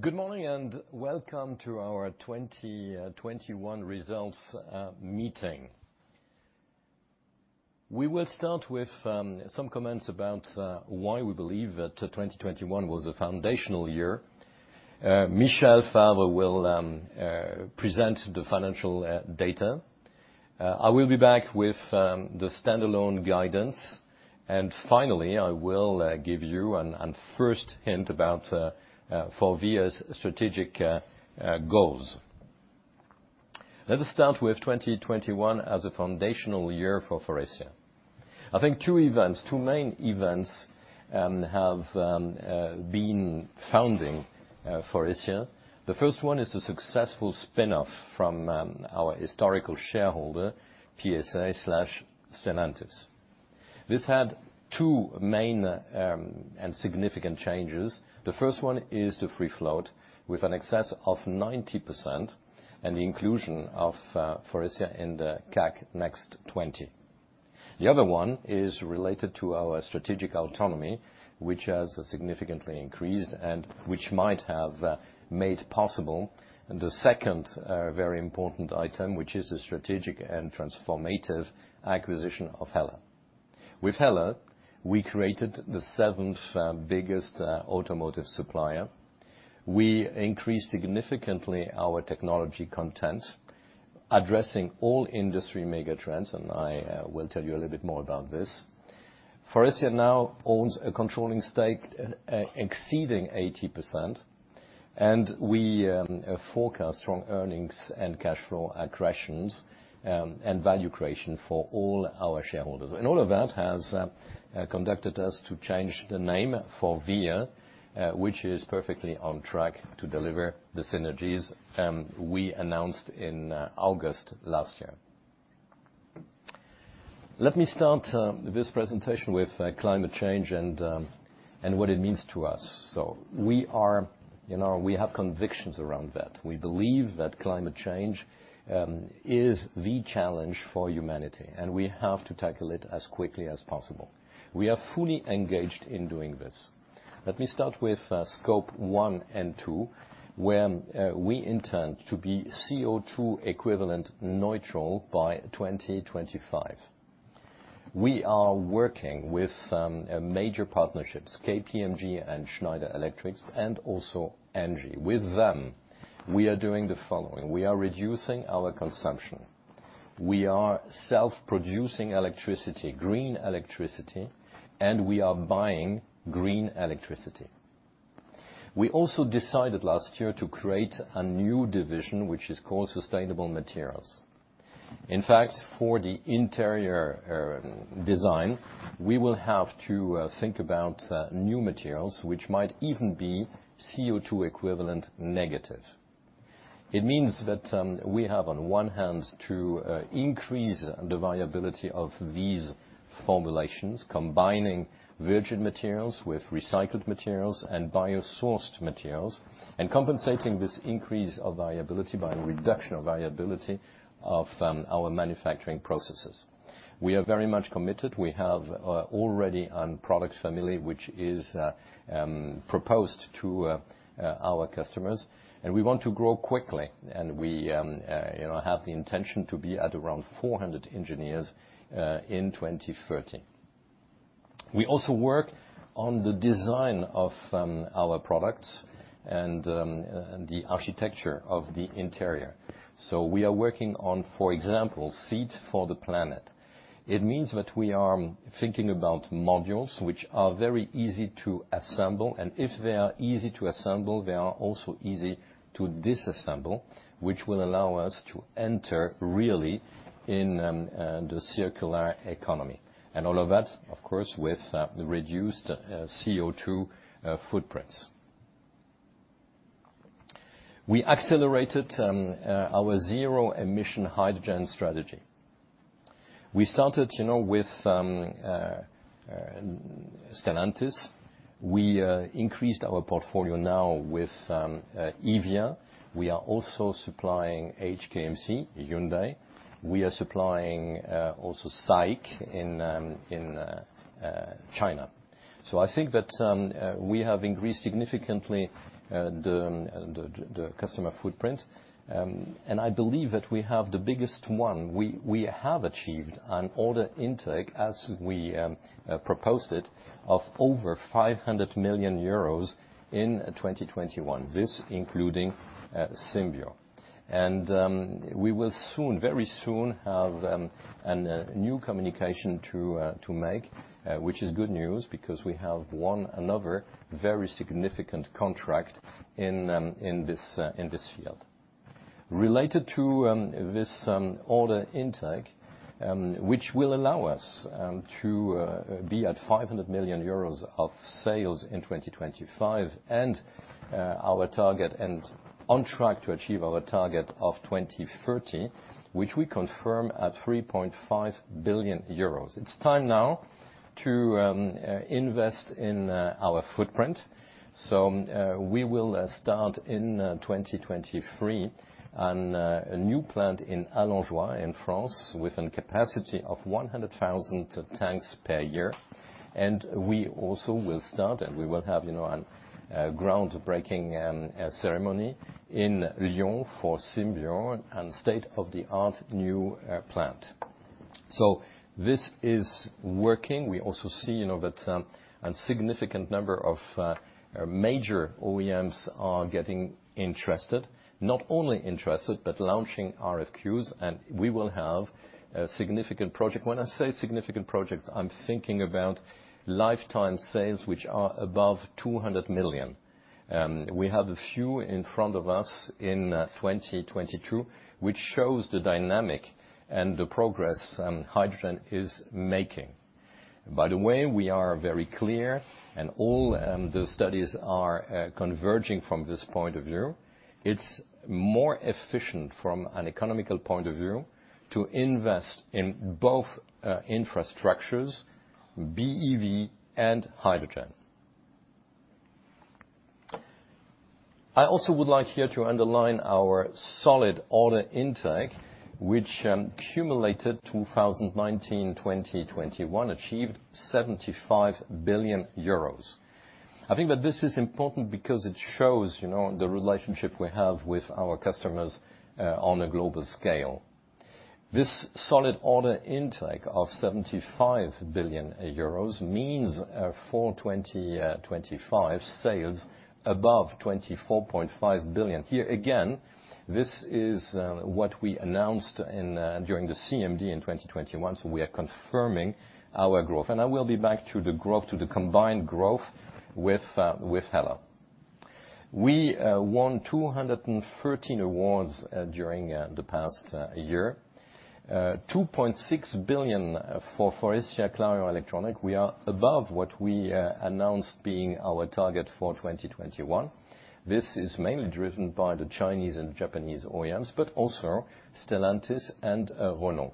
Good morning, and welcome to our 2021 results meeting. We will start with some comments about why we believe that 2021 was a foundational year. Michel Favre will present the financial data. I will be back with the standalone guidance, and finally, I will give you a first hint about Forvia's strategic goals. Let us start with 2021 as a foundational year for Faurecia. I think two main events have been founding Faurecia. The first one is the successful spinoff from our historical shareholder, PSA/Stellantis. This had two main and significant changes. The first one is the free float, with an excess of 90%, and the inclusion of Faurecia in the CAC Next 20. The other one is related to our strategic autonomy, which has significantly increased and which might have made possible the second very important item, which is the strategic and transformative acquisition of HELLA. With HELLA, we created the seventh biggest automotive supplier. We increased significantly our technology content, addressing all industry mega trends, and I will tell you a little bit more about this. Faurecia now owns a controlling stake exceeding 80%, and we forecast strong earnings and cash flow accretions and value creation for all our shareholders. All of that has conducted us to change the name FORVIA, which is perfectly on track to deliver the synergies we announced in August last year. Let me start this presentation with climate change and what it means to us. We are. You know, we have convictions around that. We believe that climate change is the challenge for humanity, and we have to tackle it as quickly as possible. We are fully engaged in doing this. Let me start with scope one and two, where we intend to be CO2 equivalent neutral by 2025. We are working with major partnerships, KPMG and Schneider Electric, and also ENGIE. With them, we are doing the following. We are reducing our consumption, we are self-producing electricity, green electricity, and we are buying green electricity. We also decided last year to create a new division, which is called Sustainable Materials. In fact, for the interior design, we will have to think about new materials which might even be CO2 equivalent negative. It means that we have, on one hand, to increase the cost of these formulations, combining virgin materials with recycled materials and biosourced materials, and compensating this increase of cost by a reduction of cost of our manufacturing processes. We are very much committed. We have already a product family which is proposed to our customers, and we want to grow quickly, and we, you know, have the intention to be at around 400 engineers in 2030. We also work on the design of our products and the architecture of the interior. We are working on, for example, Seat for the Planet. It means that we are thinking about modules which are very easy to assemble, and if they are easy to assemble, they are also easy to disassemble, which will allow us to enter really in the circular economy. All of that, of course, with reduced CO2 footprints. We accelerated our zero emission hydrogen strategy. We started, you know, with Stellantis. We increased our portfolio now with Forvia. We are also supplying HKMC Hyundai. We are supplying also SAIC in China. I think that we have increased significantly the customer footprint, and I believe that we have the biggest one. We have achieved an order intake as we proposed it of over 500 million euros in 2021. This, including Symbio. We will soon, very soon have a new communication to make, which is good news because we have won another very significant contract in this field. Related to this order intake, which will allow us to be at 500 million euros of sales in 2025, and our target and on track to achieve our target of 2030, which we confirm at 3.5 billion euros. It's time now to invest in our footprint. We will start in 2023 on a new plant in Allenjoie in France with a capacity of 100,000 tanks per year. We also will start, and we will have, you know, a groundbreaking ceremony in Lyon for Symbio, and state-of-the-art new plant. This is working. We also see, you know, that a significant number of major OEMs are getting interested. Not only interested, but launching RFQs, and we will have a significant project. When I say significant project, I'm thinking about lifetime sales which are above 200 million. We have a few in front of us in 2022, which shows the dynamic and the progress hydrogen is making. By the way, we are very clear, and all the studies are converging from this point of view. It's more efficient from an economical point of view to invest in both infrastructures, BEV and hydrogen. I also would like here to underline our solid order intake, which cumulated 2019, 2020, 2021, achieved 75 billion euros. I think that this is important because it shows, you know, the relationship we have with our customers, on a global scale. This solid order intake of 75 billion euros means, for 2025 sales above 24.5 billion. Here again, this is, what we announced in, during the CMD in 2021, so we are confirming our growth. I will be back to the growth, to the combined growth with HELLA. We won 213 awards, during the past year. 2.6 billion for Faurecia Clarion Electronics. We are above what we announced being our target for 2021. This is mainly driven by the Chinese and Japanese OEMs, but also Stellantis and Renault.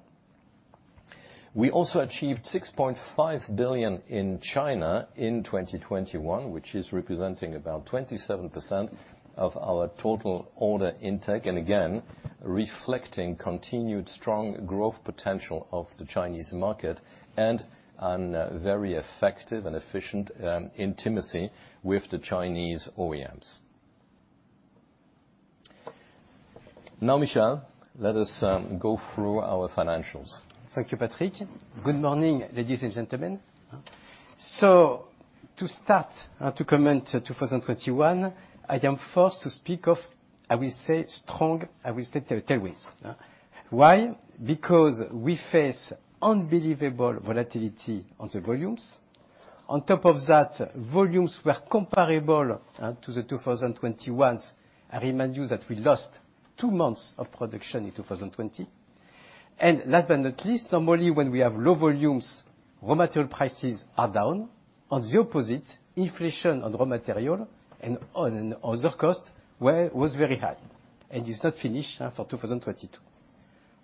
We also achieved 6.5 billion in China in 2021, which is representing about 27% of our total order intake, and again, reflecting continued strong growth potential of the Chinese market and very effective and efficient intimacy with the Chinese OEMs. Now, Michel, let us go through our financials. Thank you, Patrick. Good morning, ladies and gentlemen. To start, to comment 2021, I am first to speak of strong tailwinds. Why? Because we face unbelievable volatility on the volumes. On top of that, volumes were comparable to the 2021s. I remind you that we lost two months of production in 2020. Last but not least, normally, when we have low volumes, raw material prices are down. On the opposite, inflation on raw material and on other costs was very high, and is not finished for 2022.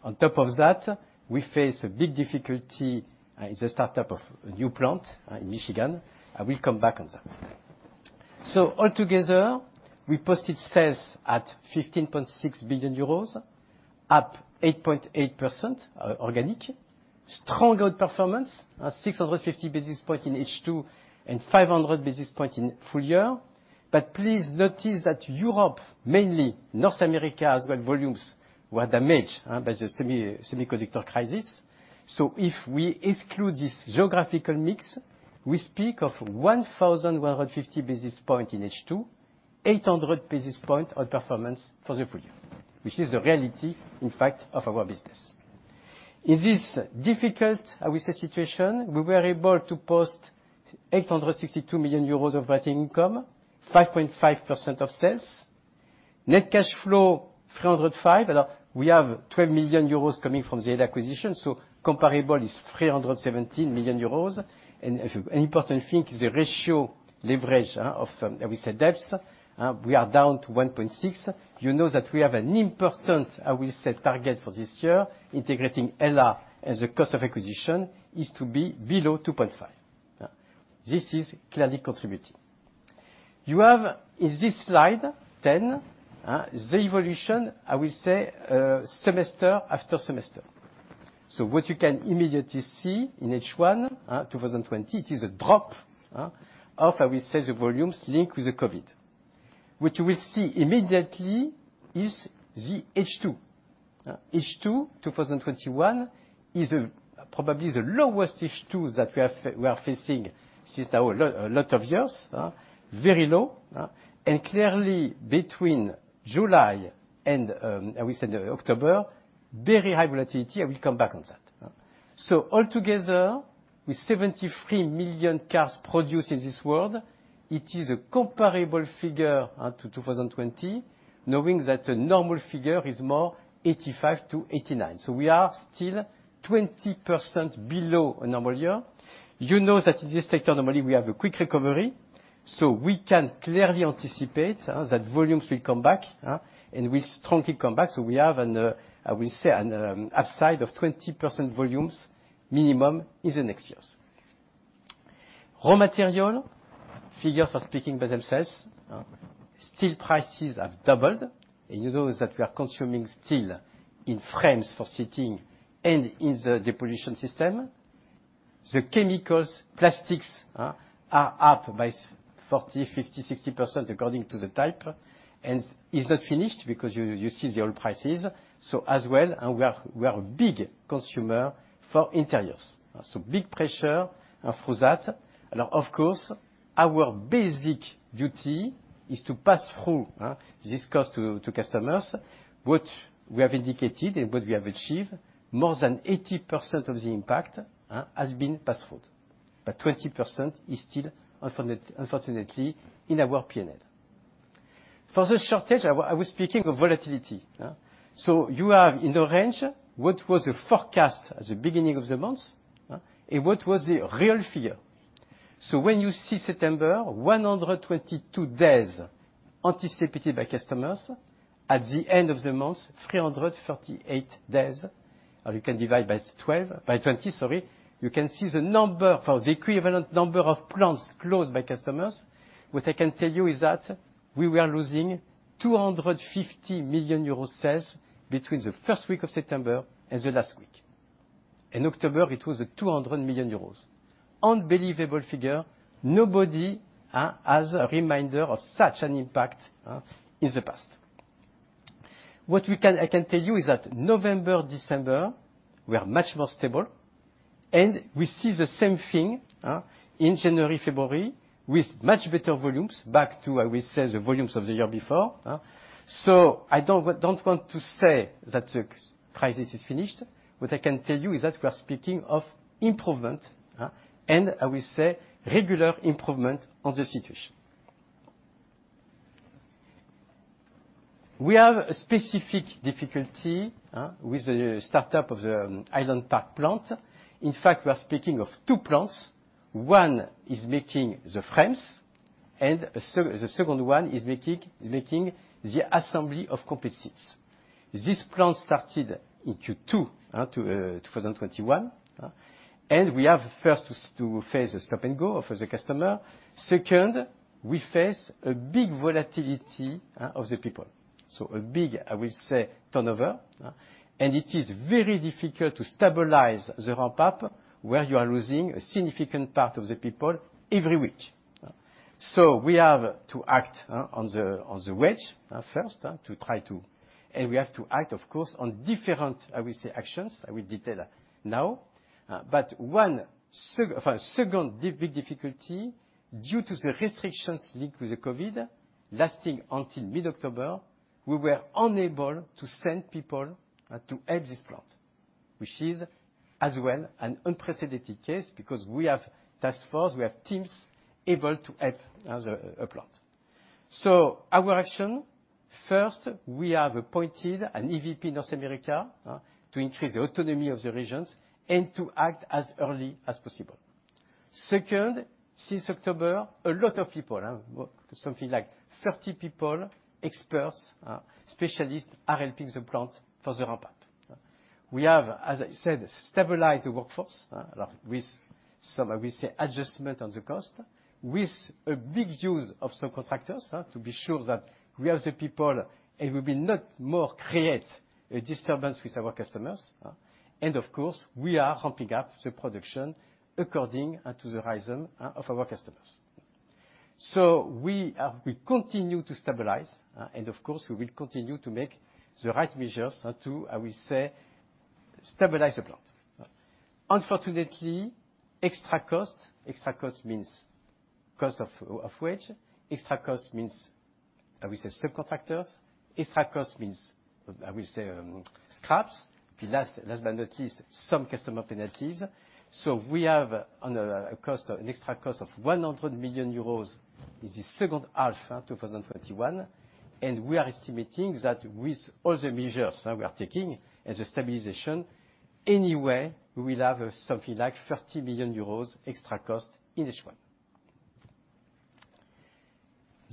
On top of that, we face a big difficulty as a startup of a new plant in Michigan. I will come back on that. All together, we posted sales at 15.6 billion euros, up 8.8%, organic. Strong outperformance, 650 basis point in H2 and 500 basis point in full year. Please notice that Europe, mainly North America, as well, volumes were damaged by the semiconductor crisis. If we exclude this geographical mix, we speak of 1,150 basis point in H2, 800 basis point outperformance for the full year, which is the reality, in fact, of our business. In this difficult, I will say, situation, we were able to post 862 million euros of operating income, 5.5% of sales. Net cash flow, 305 million. We have 12 million euros coming from the HELLA acquisition, so comparable is 317 million euros. An important thing is the leverage ratio of how we say, debts. We are down to 1.6. You know that we have an important, I will say, target for this year, integrating HELLA as a cost of acquisition is to be below 2.5. This is clearly contributing. You have in this slide ten the evolution, I will say, semester after semester. What you can immediately see in H1 2020 it is a drop of, I will say, the volumes linked with the COVID. What we see immediately is the H2. H2 2021 is probably the lowest H2 that we are facing since now a lot of years. Very low. And clearly between July and October very high volatility. I will come back on that. All together, with 73 million cars produced in this world, it is a comparable figure to 2020, knowing that a normal figure is more 85-89. We are still 20% below a normal year. You know that in this sector, normally, we have a quick recovery, so we can clearly anticipate that volumes will come back and will strongly come back. We have an, I will say, an upside of 20% volumes minimum in the next years. Raw material figures are speaking by themselves. Steel prices have doubled, and you know that we are consuming steel in frames for seating and in the depollution system. The chemicals, plastics, are up by 40%, 50%, 60% according to the type, and it's not finished because you see the oil prices. We are a big consumer for Interiors. Big pressure for that. Now, of course, our basic duty is to pass through this cost to customers. What we have indicated and what we have achieved, more than 80% of the impact has been passed through. But 20% is still unfortunately in our P&L. For the shortage, I was speaking of volatility. You have in the range what was the forecast at the beginning of the month and what was the real figure. When you see September, 122 days anticipated by customers, at the end of the month, 338 days. You can divide by 20, sorry. You can see the number for the equivalent number of plants closed by customers. What I can tell you is that we were losing 250 million euro in sales between the first week of September and the last week. In October, it was 200 million euros. Unbelievable figure. Nobody has a reminder of such an impact in the past. I can tell you that November, December, we are much more stable, and we see the same thing in January, February with much better volumes back to, I will say, the volumes of the year before. I don't want to say that the crisis is finished. What I can tell you is that we are speaking of improvement, and I will say regular improvement on the situation. We have a specific difficulty with the startup of the Highland Park plant. In fact, we are speaking of two plants. One is making the frames, and the second one is making the assembly of composites. This plant started in Q2 2021. We have first to face a stop-and-go of the customer. Second, we face a big volatility of the people. A big, I will say, turnover, and it is very difficult to stabilize the ramp-up where you are losing a significant part of the people every week. We have to act on the wage first to try to. We have to act, of course, on different, I will say, actions. I will detail now. One second big difficulty due to the restrictions linked with the COVID lasting until mid-October, we were unable to send people to help this plant, which is as well an unprecedented case because we have taskforce, we have teams able to help a plant. Our action, first, we have appointed an EVP North America to increase the autonomy of the regions and to act as early as possible. Second, since October, a lot of people, something like 30 people, experts, specialists are helping the plant for the ramp-up. We have, as I said, stabilized the workforce with some, I will say, adjustment on the cost with a big use of subcontractors to be sure that we have the people and we will not more create a disturbance with our customers. Of course, we are ramping up the production according to the rhythm of our customers. We continue to stabilize, and of course, we will continue to make the right measures to, I will say, stabilize the plant. Unfortunately, extra cost means cost of wage. Extra cost means, I will say, subcontractors. Extra cost means, I will say, scraps. The last but not least, some customer penalties. We have an extra cost of 100 million euros in the second half of 2021, and we are estimating that with all the measures we are taking as a stabilization, anyway, we will have something like 30 million euros extra cost in H1.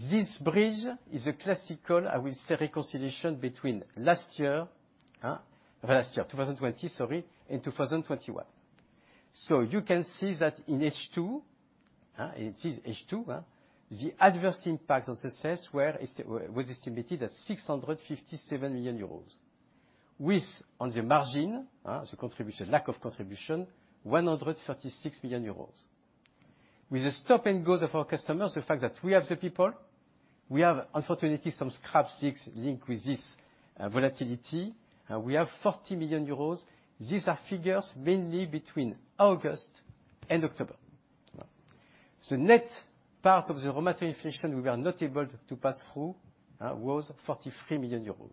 This bridge is a classical, I will say, reconciliation between last year, 2020, sorry, and 2021. You can see that in H2 the adverse impact on the sales was estimated at 657 million euros, with on the margin the lack of contribution 136 million euros. With the stop-and-go of our customers, the fact that we have unfortunately some supply chain links linked with this volatility. We have 40 million euros. These are figures mainly between August and October. Net part of the raw material inflation we were not able to pass through was 43 million euros.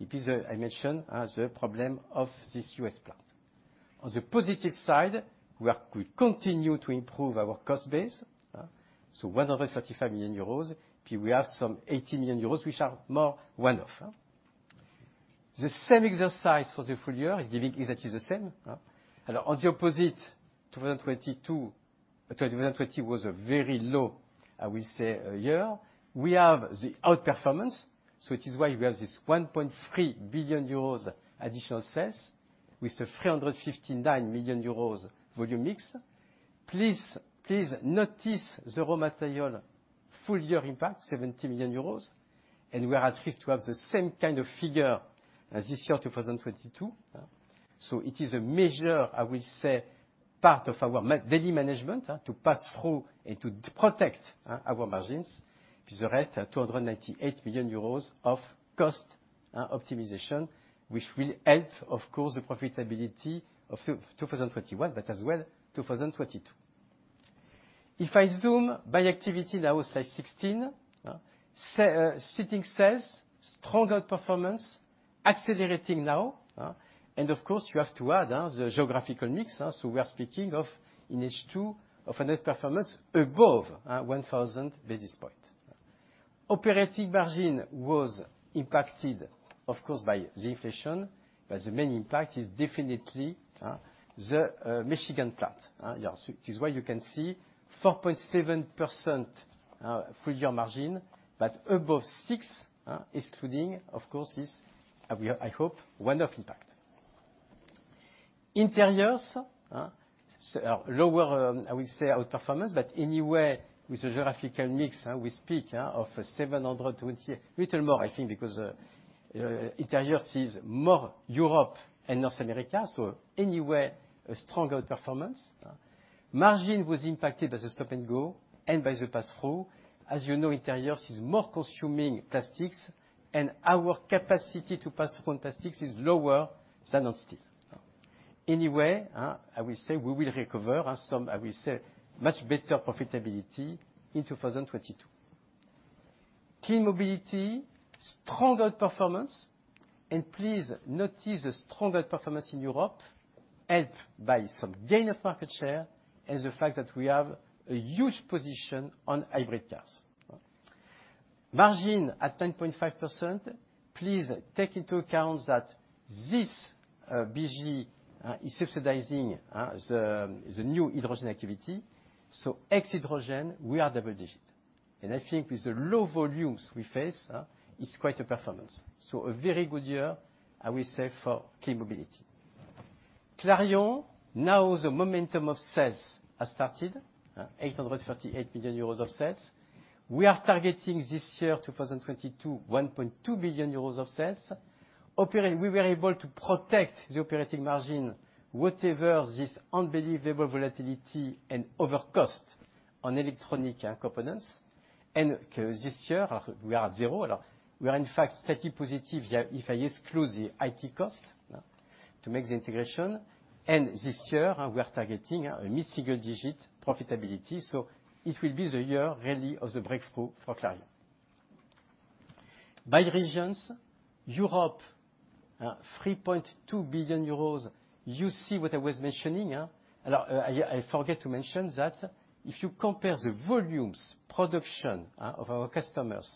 As I mentioned the problem of this U.S. plant. On the positive side, we continue to improve our cost base. 135 million euros, we have some 80 million euros which are more one-off. The same exercise for the full year is giving exactly the same. On the opposite, 2022, 2020 was a very low, I will say, year. We have the outperformance, so it is why we have this 1.3 billion euros additional sales with a 359 million euros volume mix. Please notice the raw material full year impact 70 million euros. We are at risk to have the same kind of figure as this year 2022. It is a major, I will say, part of our daily management to pass through and to protect our margins. The rest, 298 million euros of cost optimization, which will help, of course, the profitability of 2021, but as well, 2022. If I zoom by activity now, slide 16, Seating sales, stronger performance accelerating now. Of course, you have to add the geographical mix, so we are speaking of in H2 of another performance above 1,000 basis points. Operating margin was impacted, of course, by the inflation, but the main impact is definitely the Michigan plant, yeah. It is why you can see 4.7% full year margin, but above 6%, excluding, of course, this, I hope, one-off impact. Interiors, slower, I will say outperformance, but anyway, with the geographical mix, we speak of 720, a little more I think because Interiors is more Europe and North America, so anyway, a stronger performance. Margin was impacted by the stop-and-go and by the pass-through. As you know, Interiors is more consuming plastics, and our capacity to pass on plastics is lower than on steel. Anyway, I will say we will recover some, I will say, much better profitability in 2022. Clean Mobility, stronger performance, and please notice a stronger performance in Europe, helped by some gain of market share and the fact that we have a huge position on hybrid cars. Margin at 10.5%, please take into account that this BG is subsidizing the new hydrogen activity. Ex-hydrogen, we are double-digit. I think with the low volumes we face, it's quite a performance. A very good year, I will say, for Clean Mobility. Clarion, now the momentum of sales has started, 838 million euros of sales. We are targeting this year, 2022, 1.2 billion euros of sales. Operating, we were able to protect the operating margin, whatever this unbelievable volatility and overcost on electronic components. This year, we are at zero. We are in fact slightly positive, if I exclude the IT cost to make the integration. This year, we are targeting a mid-single-digit profitability. It will be the year really of the breakthrough for Clarion. By regions, Europe, 3.2 billion euros. You see what I was mentioning? I forget to mention that if you compare the production volumes of our customers,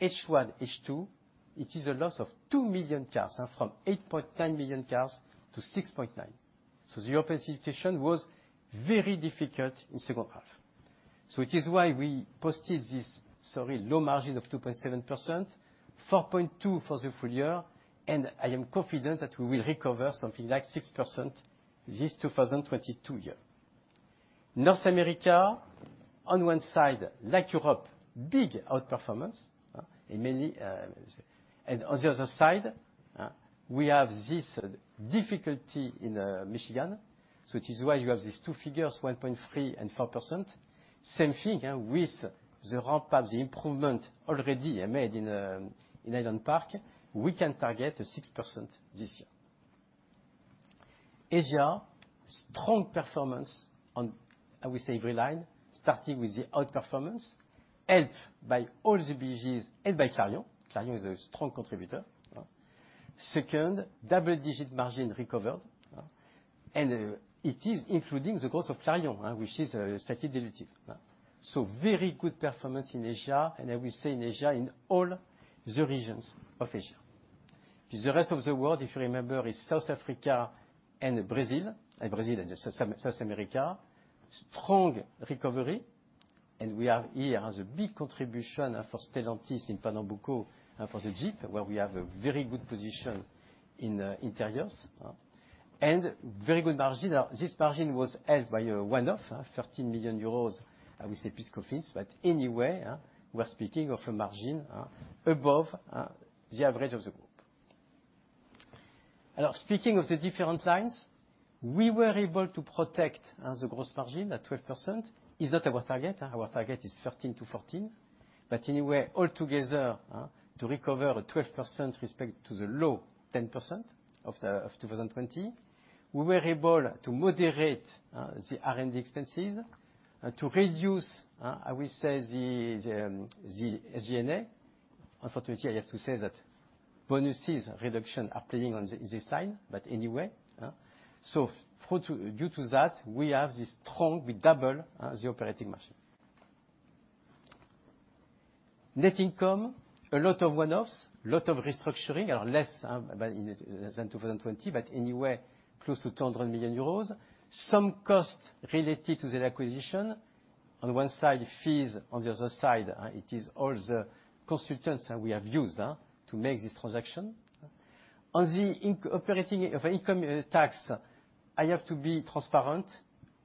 H1, H2, it is a loss of 2 million cars from 8.9 million cars to 6.9 million cars. The European situation was very difficult in second half. It is why we posted this low margin of 2.7%, 4.2% for the full year, and I am confident that we will recover something like 6% this 2022 year. North America, on one side, like Europe, big outperformance, and mainly. On the other side, we have this difficulty in Michigan. It is why you have these two figures, 1.3% and 4%. Same thing with the ramp-up, the improvement already made in Highland Park. We can target 6% this year. Asia strong performance on, I would say, every line, starting with the outperformance, helped by all the BGs, helped by Clarion. Clarion is a strong contributor. Second, double-digit margin recovered. It is including the growth of Clarion, which is slightly dilutive. Very good performance in Asia, and I will say in all the regions of Asia. The rest of the world, if you remember, is South Africa and Brazil and South America. Strong recovery, and we are here as a big contribution for Stellantis in Pernambuco, for the Jeep, where we have a very good position in Interiors. Very good margin. This margin was helped by a one-off 13 million euros, I would say, risk provisions. Anyway, we are speaking of a margin above the average of the group. Speaking of the different lines, we were able to protect the gross margin at 12%. It's not our target. Our target is 13%-14%. Anyway, all together to recover 12% respect to the low 10% of 2020. We were able to moderate the R&D expenses to reduce. I will say the SG&A. Unfortunately, I have to say that bonus reductions are playing on this side. Anyway. Thanks to that, we double the operating margin. Net income, a lot of one-offs, a lot of restructuring or less than in 2020, but anyway, close to 200 million euros. Some costs related to the acquisition. On one side, fees, on the other side, it is all the consultants that we have used to make this transaction. On the operating income tax, I have to be transparent.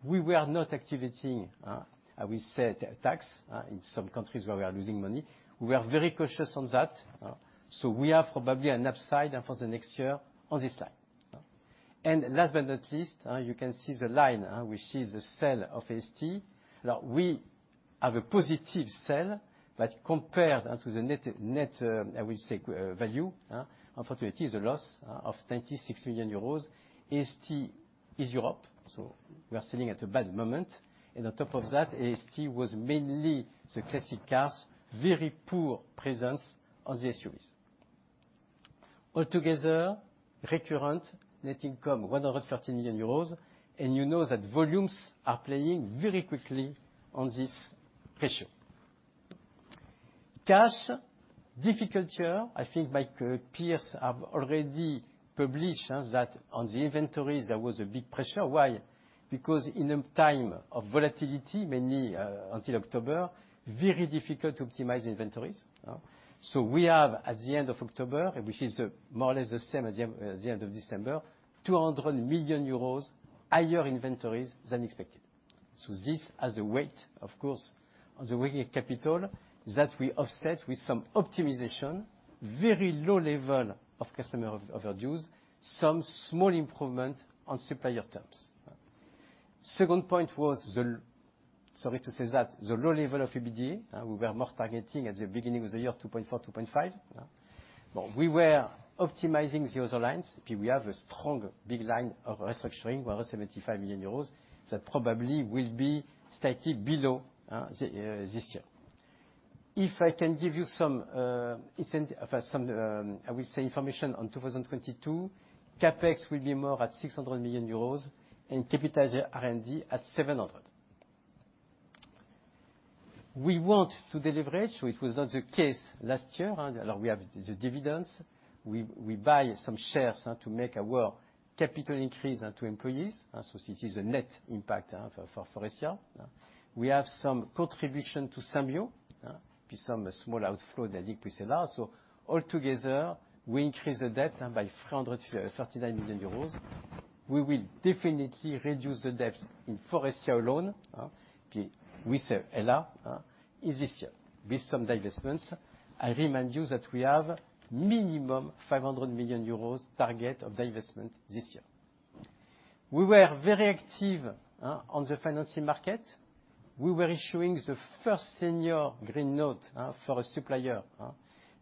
We were not activating how we say it, a tax in some countries where we are losing money. We are very cautious on that, so we have probably an upside for the next year on this line. Last but not least, you can see the line which is the sale of ST. Now we have a positive sale, but compared to the net-net, I will say value, unfortunately is a loss of 96 million euros. ST is Europe, so we are selling at a bad moment. On top of that, ST was mainly the classic cars, very poor presence on the SUVs. All together, recurrent net income 130 million euros, and you know that volumes are playing very quickly on this pressure. Cash, difficult year. I think my peers have already published that on the inventories there was a big pressure. Why? Because in a time of volatility, mainly until October, very difficult to optimize inventories. So we have at the end of October, which is more or less the same as the end of December, 200 million euros higher inventories than expected. So this has a weight, of course, on the working capital that we offset with some optimization, very low level of customer overdues, some small improvement on supplier terms. Second point was the, sorry to say that, the low level of EBITDA. We were more targeting at the beginning of the year 2.4%-2.5%. We were optimizing the other lines. We have a strong big line of restructuring, 175 million euros, that probably will be slightly below this year. If I can give you some information on 2022, CapEx will be more at 600 million euros and capitalized R&D at 700 million. We want to deleverage, so it was not the case last year. Now we have the dividends. We buy some shares to make our capital increase to employees, so it is a net impact for Faurecia. We have some contribution to Symbio, to some small outflow that liquid CLAs. All together, we increase the debt by 339 million euros. We will definitely reduce the debt in Faurecia alone, okay, with the CLA, in this year with some divestments. I remind you that we have minimum 500 million euros target of divestment this year. We were very active on the financing market. We were issuing the first senior green note for a supplier.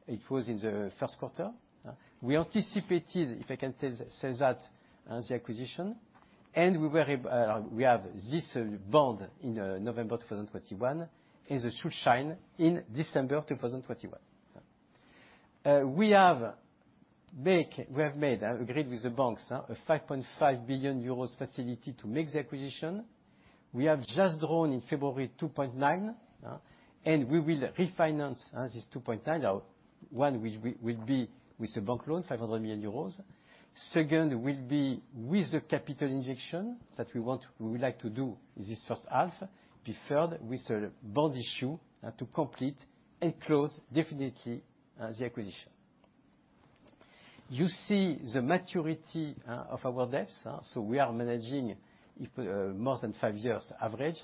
It was in the first quarter. We anticipated, if I can say that, the acquisition, and we have this bond in November 2021, and a Schuldschein in December 2021. We have made an agreement with the banks, a 5.5 billion euros facility to make the acquisition. We have just drawn in February 2.9 billion, and we will refinance this 2.9 billion. Now one will be with the bank loan, 500 million euros. Second will be with the capital injection that we want, we would like to do this first half. The third with a bond issue to complete and close definitely the acquisition. You see the maturity of our debts, so we are managing if more than five years average.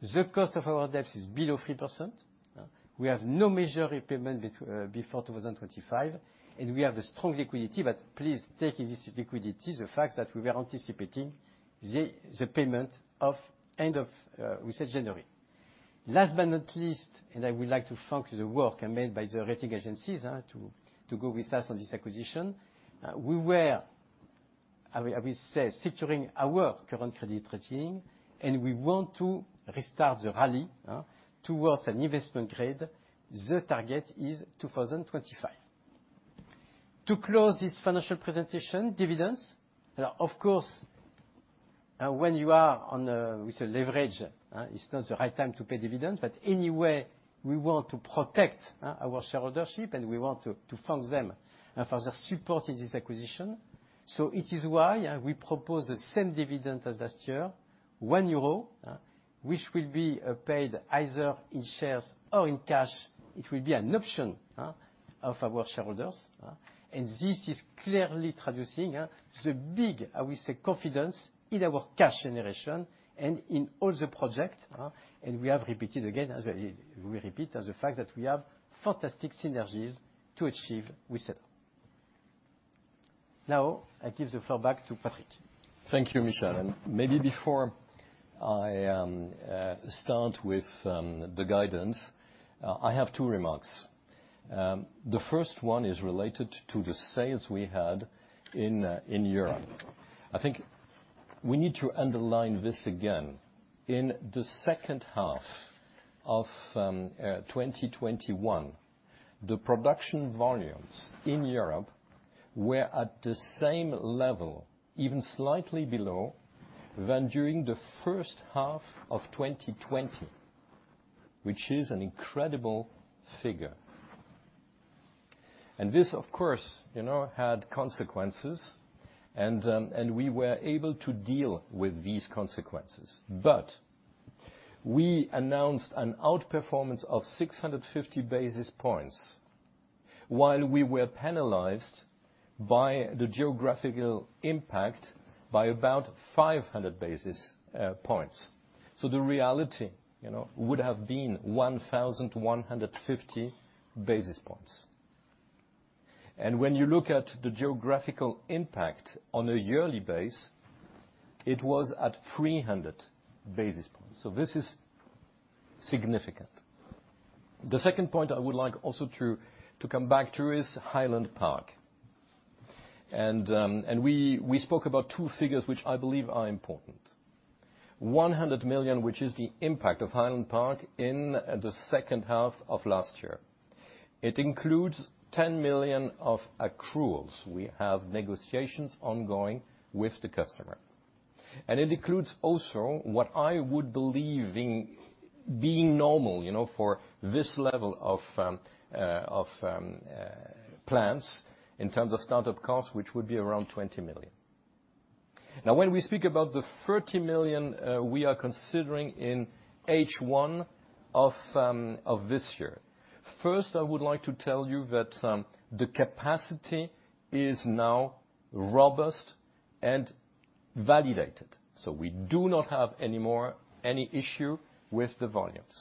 The cost of our debts is below 3%. We have no major repayment before 2025, and we have strong liquidity, but please take this liquidity, the fact that we were anticipating the payment at the end of, we said, January. Last but not least, I would like to thank the work made by the rating agencies to go with us on this acquisition. We were, I would say, securing our current credit rating, and we want to restart the rating rally towards an investment grade. The target is 2025. To close this financial presentation, dividends. Now, of course, when you are with a leverage, it's not the right time to pay dividends, but anyway, we want to protect our share ownership, and we want to thank them for their support in this acquisition. It is why we propose the same dividend as last year, 1 euro, which will be paid either in shares or in cash. It will be an option of our shareholders, and this is clearly translating the big, how we say, confidence in our cash generation and in all the project. We have repeated again, as I, we repeat the fact that we have fantastic synergies to achieve with ZF. Now, I give the floor back to Patrick. Thank you, Michel. Maybe before I start with the guidance, I have two remarks. The first one is related to the sales we had in Europe. I think we need to underline this again. In the second half of 2021, the production volumes in Europe were at the same level, even slightly below, than during the first half of 2020, which is an incredible figure. This, of course, you know, had consequences and we were able to deal with these consequences. We announced an outperformance of 650 basis points while we were penalized by the geographical impact by about 500 basis points. The reality, you know, would have been 1,150 basis points. When you look at the geographical impact on a yearly basis, it was at 300 basis points. This is significant. The second point I would like also to come back to is Highland Park. We spoke about two figures which I believe are important. 100 million, which is the impact of Highland Park in the second half of last year. It includes 10 million of accruals. We have negotiations ongoing with the customer. It includes also what I would believe in being normal, you know, for this level of plans in terms of start-up costs, which would be around 20 million. Now when we speak about the 30 million we are considering in H1 of this year, first, I would like to tell you that the capacity is now robust and validated. We do not have any more issue with the volumes.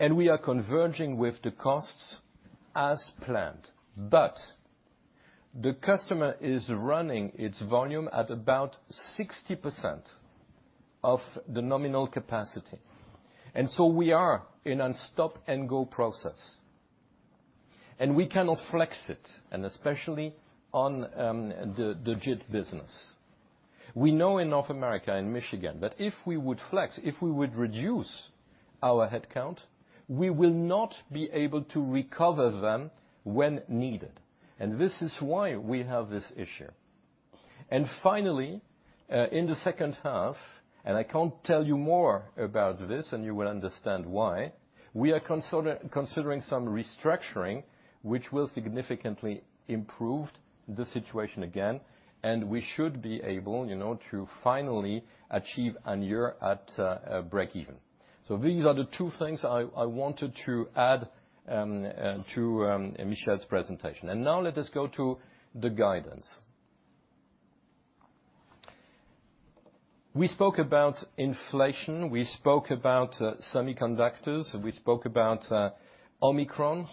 We are converging with the costs as planned. The customer is running its volume at about 60% of the nominal capacity. We are in a stop-and-go process. We cannot flex it, and especially on the JIT business. We know in North America, in Michigan, that if we would flex, we would reduce our headcount, we will not be able to recover them when needed. This is why we have this issue. Finally, in the second half, and I can't tell you more about this, and you will understand why, we are considering some restructuring which will significantly improve the situation again, and we should be able, you know, to finally achieve a year at break even. These are the two things I wanted to add to Michel's presentation. Now let us go to the guidance. We spoke about inflation, we spoke about semiconductors, we spoke about Omicron.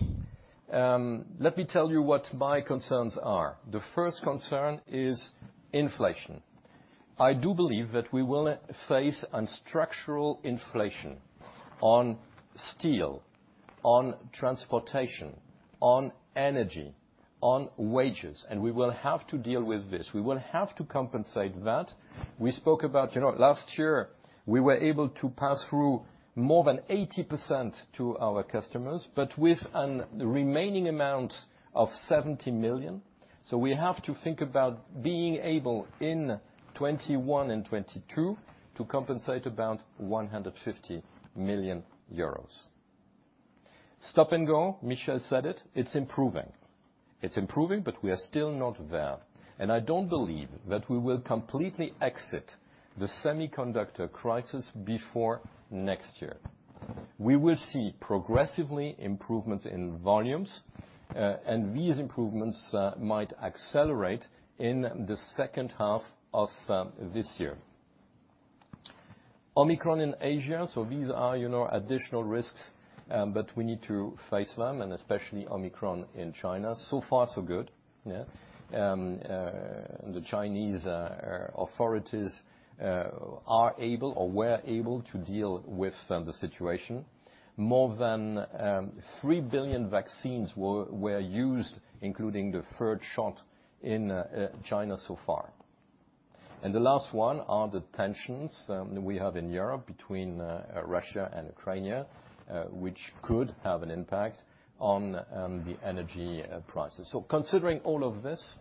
Let me tell you what my concerns are. The first concern is inflation. I do believe that we will face a structural inflation on steel, on transportation, on energy, on wages, and we will have to deal with this. We will have to compensate that. We spoke about, you know, last year, we were able to pass through more than 80% to our customers, but with a remaining amount of 70 million. We have to think about being able, in 2021 and 2022, to compensate about 150 million euros. Stop and go, Michel said it's improving. It's improving, but we are still not there. I don't believe that we will completely exit the semiconductor crisis before next year. We will see progressively improvements in volumes, and these improvements might accelerate in the second half of this year. Omicron in Asia, these are, you know, additional risks, but we need to face them, and especially Omicron in China. So far so good, yeah. The Chinese authorities are able or were able to deal with the situation. More than three billion vaccines were used, including the third shot in China so far. The last one are the tensions we have in Europe between Russia and Ukraine, which could have an impact on the energy prices. Considering all of this,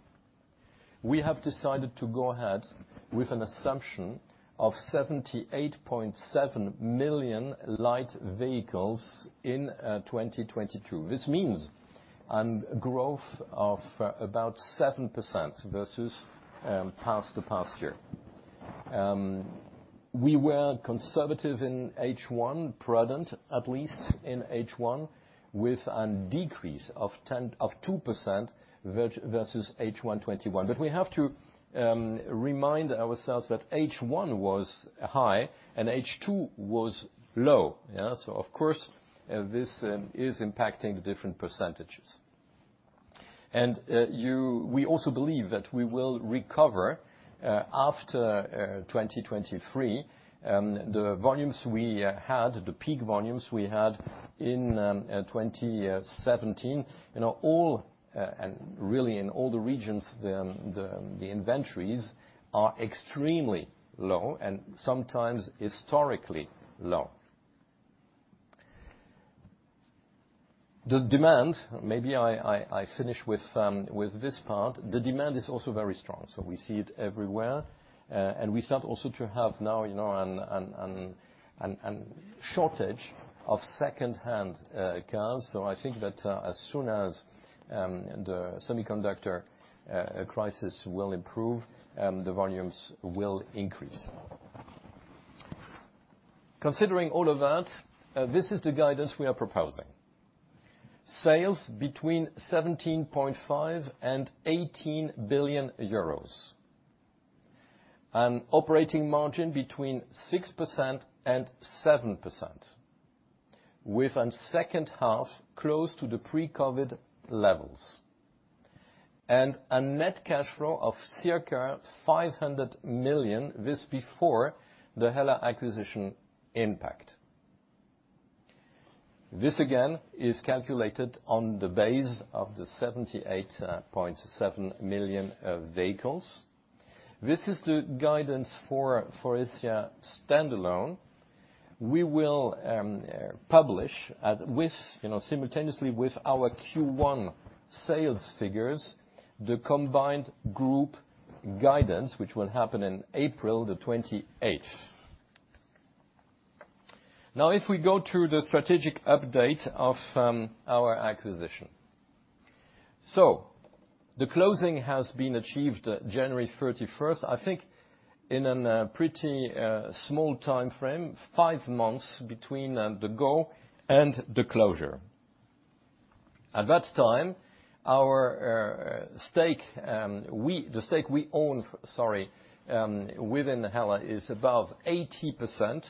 we have decided to go ahead with an assumption of 78.7 million light vehicles in 2022. This means a growth of about 7% versus the past year. We were conservative in H1, prudent at least in H1, with a decrease of 2% versus H1 2021. We have to remind ourselves that H1 was high and H2 was low. Of course, this is impacting the different percentages. We also believe that we will recover after 2023 the volumes we had, the peak volumes we had in 2017. Really in all the regions, the inventories are extremely low and sometimes historically low. The demand, maybe I finish with this part, the demand is also very strong. We see it everywhere, and we start also to have now a shortage of secondhand cars. I think that as soon as the semiconductor crisis will improve, the volumes will increase. Considering all of that, this is the guidance we are proposing. Sales between 17.5 billion and 18 billion euros. An operating margin between 6% and 7% with a second half close to the pre-COVID levels, and a net cash flow of circa 500 million. This before the HELLA acquisition impact. This, again, is calculated on the basis of the 78.7 million vehicles. This is the guidance for Faurecia standalone. We will publish with, you know, simultaneously with our Q1 sales figures, the combined group guidance, which will happen in April 28th. Now, if we go through the strategic update of our acquisition. The closing has been achieved January 31st, I think, in a pretty small timeframe, 5 months between the go and the closure. At that time, the stake we own within HELLA is above 80%,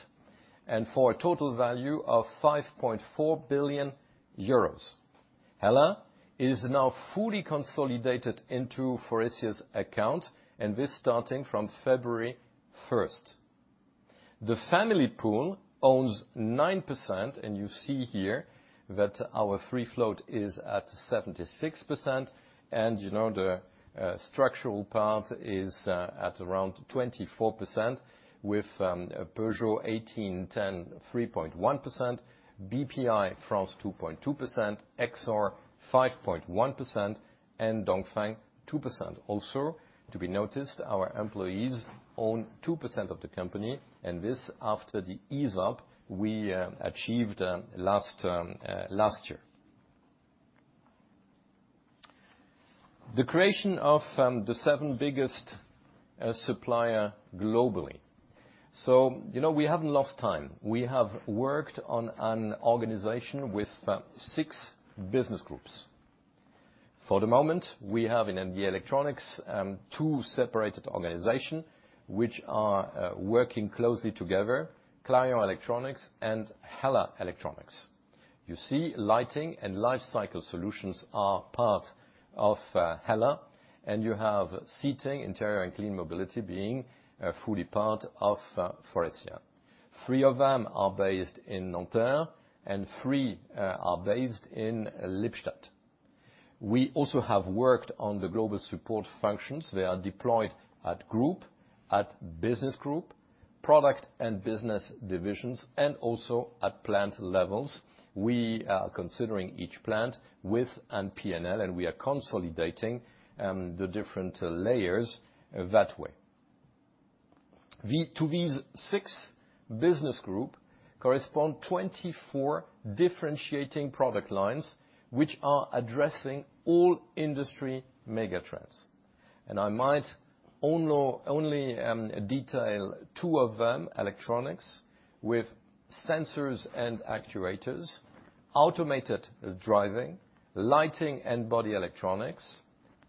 and for a total value of 5.4 billion euros. HELLA is now fully consolidated into Faurecia's account, and this starting from February 1st. The family pool owns 9%, and you see here that our free float is at 76%. You know, the structural part is at around 24% with Peugeot 1810 3.1%, Bpifrance 2.2%, Exor 5.1%, and Dongfeng 2%. Also, to be noticed, our employees own 2% of the company, and this after the ESOP we achieved last year. The creation of the seventh biggest supplier globally. You know, we haven't lost time. We have worked on an organization with six business groups. For the moment, we have in the electronics two separated organization which are working closely together, Clarion Electronics and HELLA Electronics. You see lighting and Lifecycle Solutions are part of HELLA, and you have Seating, Interiors and Clean Mobility being fully part of Faurecia. Three of them are based in Nanterre, and three are based in Lippstadt. We also have worked on the global support functions. They are deployed at group, at business group, product and business divisions, and also at plant levels. We are considering each plant with a P&L, and we are consolidating the different layers that way. To these six business groups correspond 24 differentiating product lines, which are addressing all industry megatrends. I might only detail two of them, electronics with sensors and actuators, automated driving, lighting and body electronics,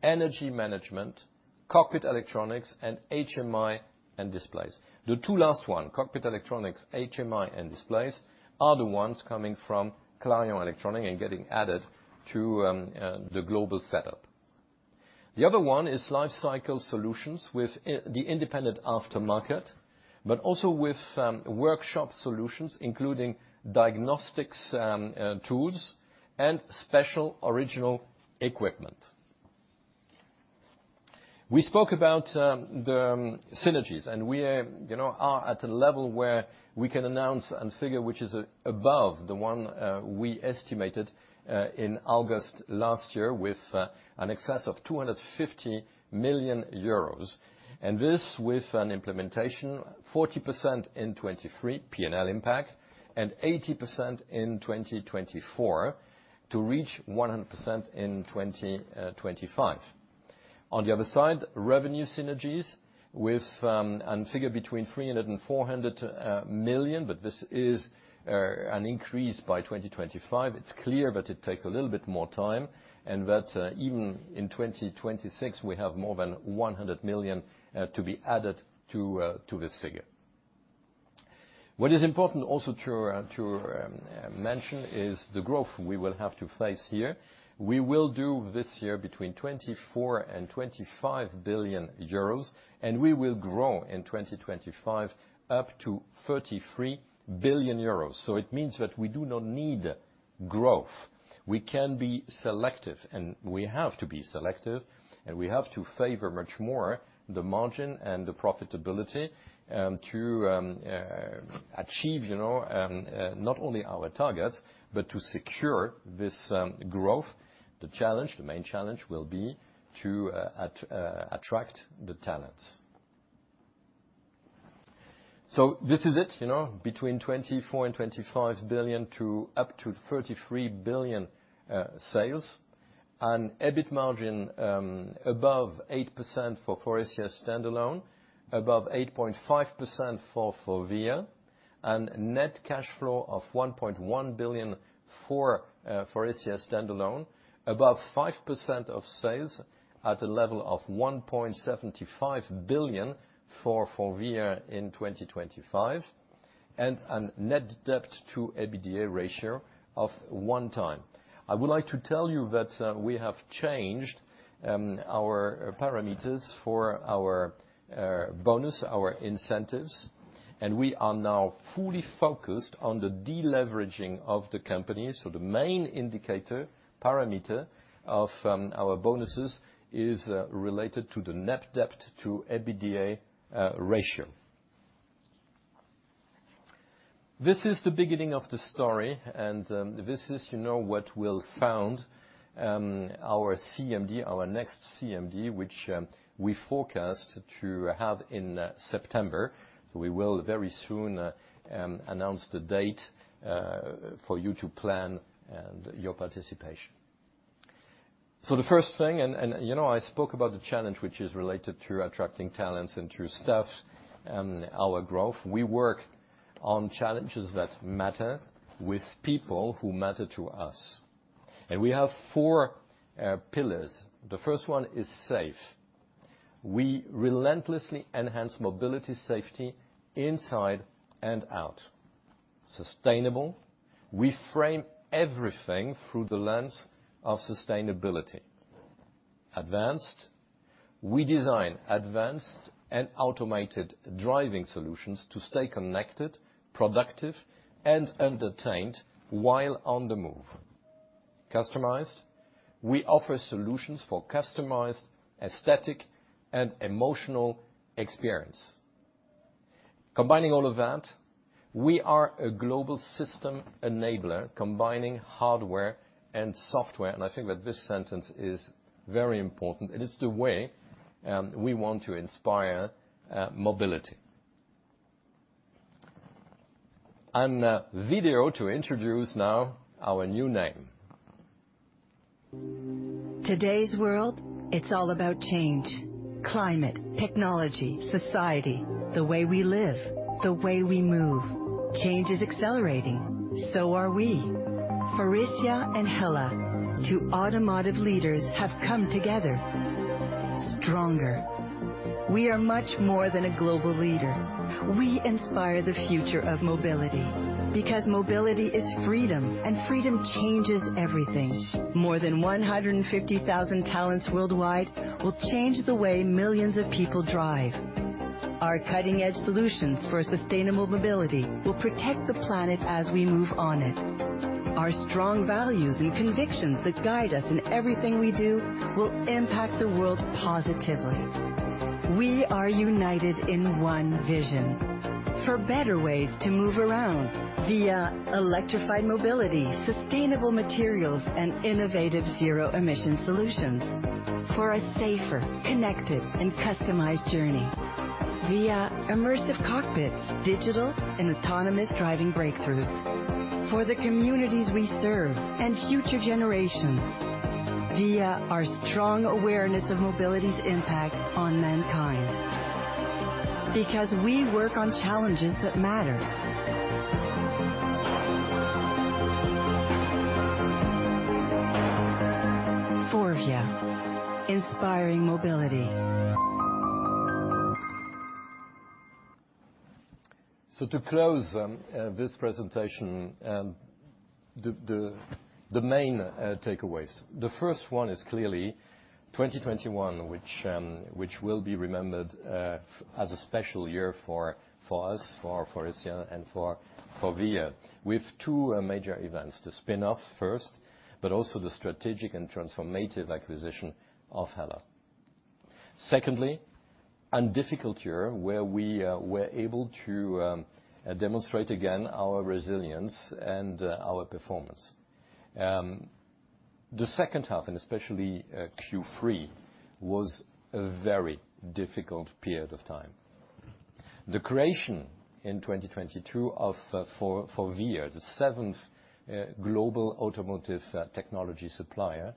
energy management, cockpit electronics, and HMI and displays. The two last one, cockpit electronics, HMI and displays, are the ones coming from Clarion Electronics and getting added to the global setup. The other one is Lifecycle Solutions with the independent aftermarket, but also with workshop solutions, including diagnostics, tools and special original equipment. We spoke about the synergies, and we are at a level where we can announce and figure which is above the one we estimated in August last year with an excess of 250 million euros. This with an implementation 40% in 2023 P&L impact and 80% in 2024 to reach 100% in 2025. On the other side, revenue synergies with a figure between 300 million and 400 million, but this is an increase by 2025. It's clear, but it takes a little bit more time. That even in 2026, we have more than 100 million to be added to this figure. What is important also to mention is the growth we will have to face here. We will do this year between 24 billion and 25 billion euros, and we will grow in 2025 up to 33 billion euros. It means that we do not need growth. We can be selective, and we have to be selective, and we have to favor much more the margin and the profitability to achieve, you know, not only our targets, but to secure this growth. The challenge, the main challenge will be to attract the talents. This is it, you know, between 24 and 25 billion to up to 33 billion sales. EBIT margin above 8% for Faurecia standalone, above 8.5% for Forvia, and net cash flow of 1.1 billion for Faurecia standalone. Above 5% of sales at a level of 1.75 billion for Forvia in 2025. A net debt to EBITDA ratio of 1x. I would like to tell you that we have changed our parameters for our bonus, our incentives, and we are now fully focused on the deleveraging of the company. The main indicator parameter of our bonuses is related to the net debt to EBITDA ratio. This is the beginning of the story, and this is, you know, what will found our CMD, our next CMD, which we forecast to have in September. We will very soon announce the date for you to plan your participation. The first thing, you know, I spoke about the challenge which is related to attracting talents and to staff and our growth. We work on challenges that matter with people who matter to us. We have four pillars. The first one is safe. We relentlessly enhance mobility safety inside and out. Sustainable. We frame everything through the lens of sustainability. Advanced. We design advanced and automated driving solutions to stay connected, productive and entertained while on the move. Customized. We offer solutions for customized aesthetic and emotional experience. Combining all of that, we are a global system enabler, combining hardware and software. I think that this sentence is very important, and it's the way we want to inspire mobility. A video to introduce now our new name. Today's world, it's all about change. Climate, technology, society, the way we live, the way we move. Change is accelerating. So are we. Faurecia and HELLA, two automotive leaders, have come together stronger. We are much more than a global leader. We inspire the future of mobility because mobility is freedom, and freedom changes everything. More than 150,000 talents worldwide will change the way millions of people drive. Our cutting-edge solutions for sustainable mobility will protect the planet as we move on it. Our strong values and convictions that guide us in everything we do will impact the world positively. We are united in one vision for better ways to move around via electrified mobility, sustainable materials and innovative zero-emission solutions. For a safer, connected and customized journey via immersive cockpits, digital and autonomous driving breakthroughs. For the communities we serve and future generations via our strong awareness of mobility's impact on mankind. Because we work on challenges that matter. FORVIA. Inspiring mobility. To close this presentation, the main takeaways. The first one is clearly 2021, which will be remembered as a special year for us, for Faurecia and for FORVIA, with two major events, the spin-off first, but also the strategic and transformative acquisition of HELLA. Secondly, a difficult year where we were able to demonstrate again our resilience and our performance. The second half, and especially Q3, was a very difficult period of time. The creation in 2022 of FORVIA, the seventh global automotive technology supplier,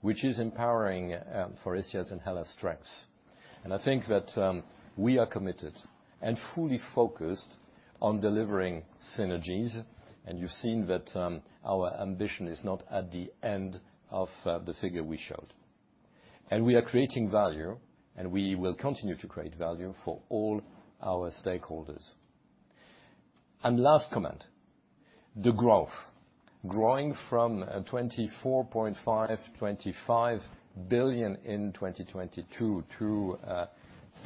which is empowering Faurecia's and HELLA's strengths. I think that we are committed and fully focused on delivering synergies. You've seen that our ambition is not at the end of the figure we showed. We are creating value, and we will continue to create value for all our stakeholders. Last comment, the growth. Growing from 24.5 billion-25 billion in 2022 to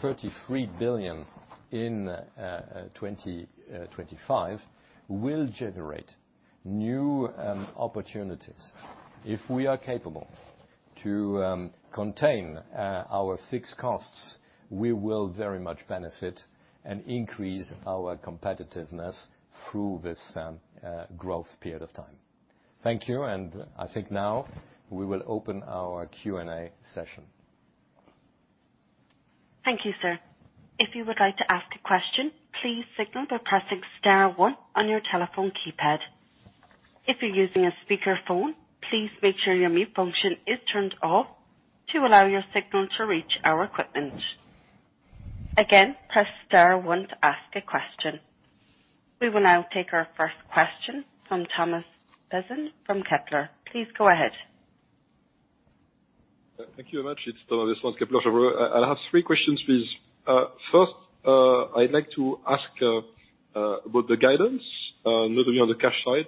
33 billion in 2025 will generate new opportunities. If we are capable to contain our fixed costs, we will very much benefit and increase our competitiveness through this growth period of time. Thank you. I think now we will open our Q&A session. Thank you, sir. If you would like to ask a question, please signal by pressing star one on your telephone keypad. If you're using a speakerphone, please make sure your mute function is turned off to allow your signal to reach our equipment. Again, press star one to ask a question. We will now take our first question from Thomas Besson from Kepler. Please go ahead. Thank you very much. It's Thomas Besson, Kepler. I have three questions, please. First, I'd like to ask about the guidance, not only on the cash side,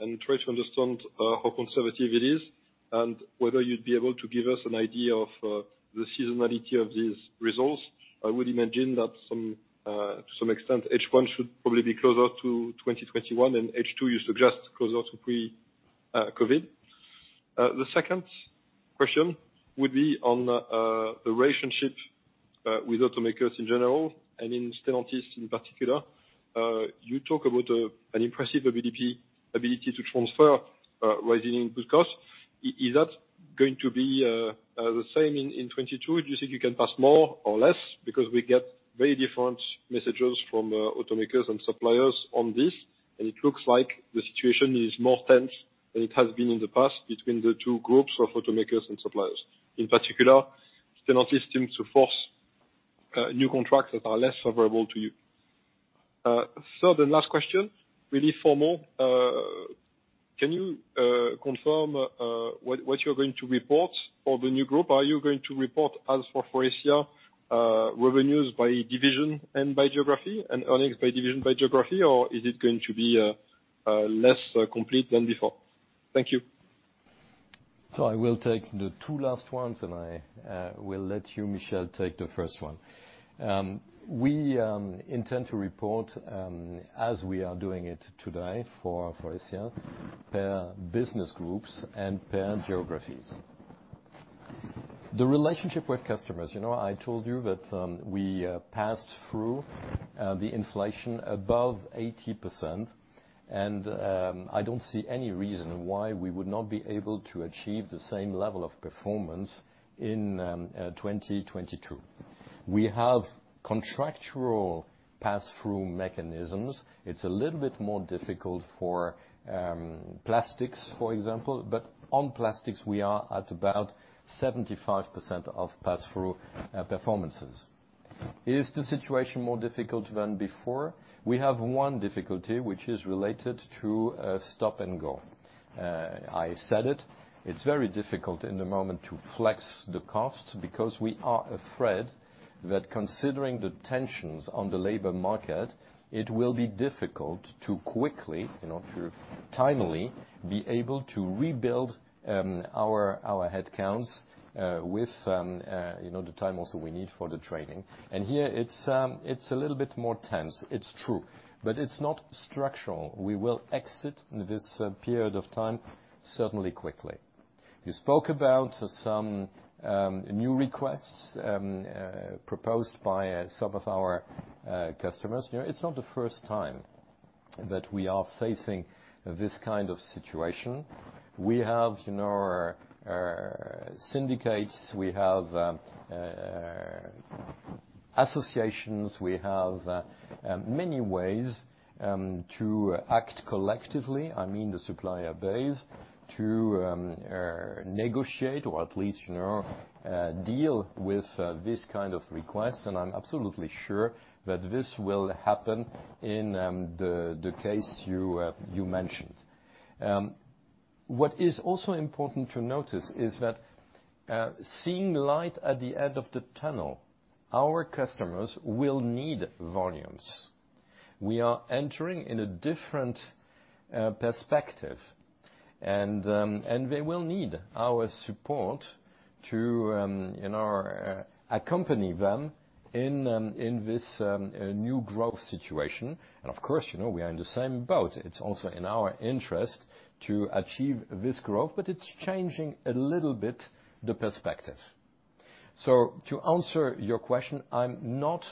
and try to understand how conservative it is and whether you'd be able to give us an idea of the seasonality of these results. I would imagine that some, to some extent, H1 should probably be closer to 2021 and H2, you suggest closer to pre-COVID. The second question would be on the relationship with automakers in general and in Stellantis in particular. You talk about an impressive adaptability to transfer rising input costs. Is that going to be the same in 2022? Do you think you can pass more or less? Because we get very different messages from automakers and suppliers on this, and it looks like the situation is more tense than it has been in the past between the two groups of automakers and suppliers. In particular, Stellantis seems to force new contracts that are less favorable to you. The last question, really formal. Can you confirm what you're going to report for the new group? Are you going to report as Faurecia revenues by division and by geography and earnings by division by geography or is it going to be less complete than before? Thank you. I will take the two last ones, and I will let you, Michel, take the first one. We intend to report, as we are doing it today for Faurecia per business groups and per geographies. The relationship with customers, you know, I told you that, we passed through the inflation above 80%, and I don't see any reason why we would not be able to achieve the same level of performance in 2022. We have contractual pass-through mechanisms. It's a little bit more difficult for plastics, for example. But on plastics we are at about 75% of pass-through performances. Is the situation more difficult than before? We have one difficulty, which is related to a stop-and-go. I said it's very difficult in the moment to flex the costs because we are afraid that considering the tensions on the labor market, it will be difficult to quickly, you know, to timely be able to rebuild our headcounts with you know the time also we need for the training. Here it's a little bit more tense. It's true, but it's not structural. We will exit this period of time certainly quickly. You spoke about some new requests proposed by some of our customers. You know, it's not the first time that we are facing this kind of situation. We have, you know, syndicates, we have associations, we have many ways to act collectively. I mean, the supplier base to negotiate or at least, you know, deal with this kind of request. I'm absolutely sure that this will happen in the case you mentioned. What is also important to notice is that seeing light at the end of the tunnel, our customers will need volumes. We are entering in a different perspective. And they will need our support to, you know, accompany them in this new growth situation. Of course, you know, we are in the same boat. It's also in our interest to achieve this growth. It's changing a little bit, the perspective. To answer your question, I'm not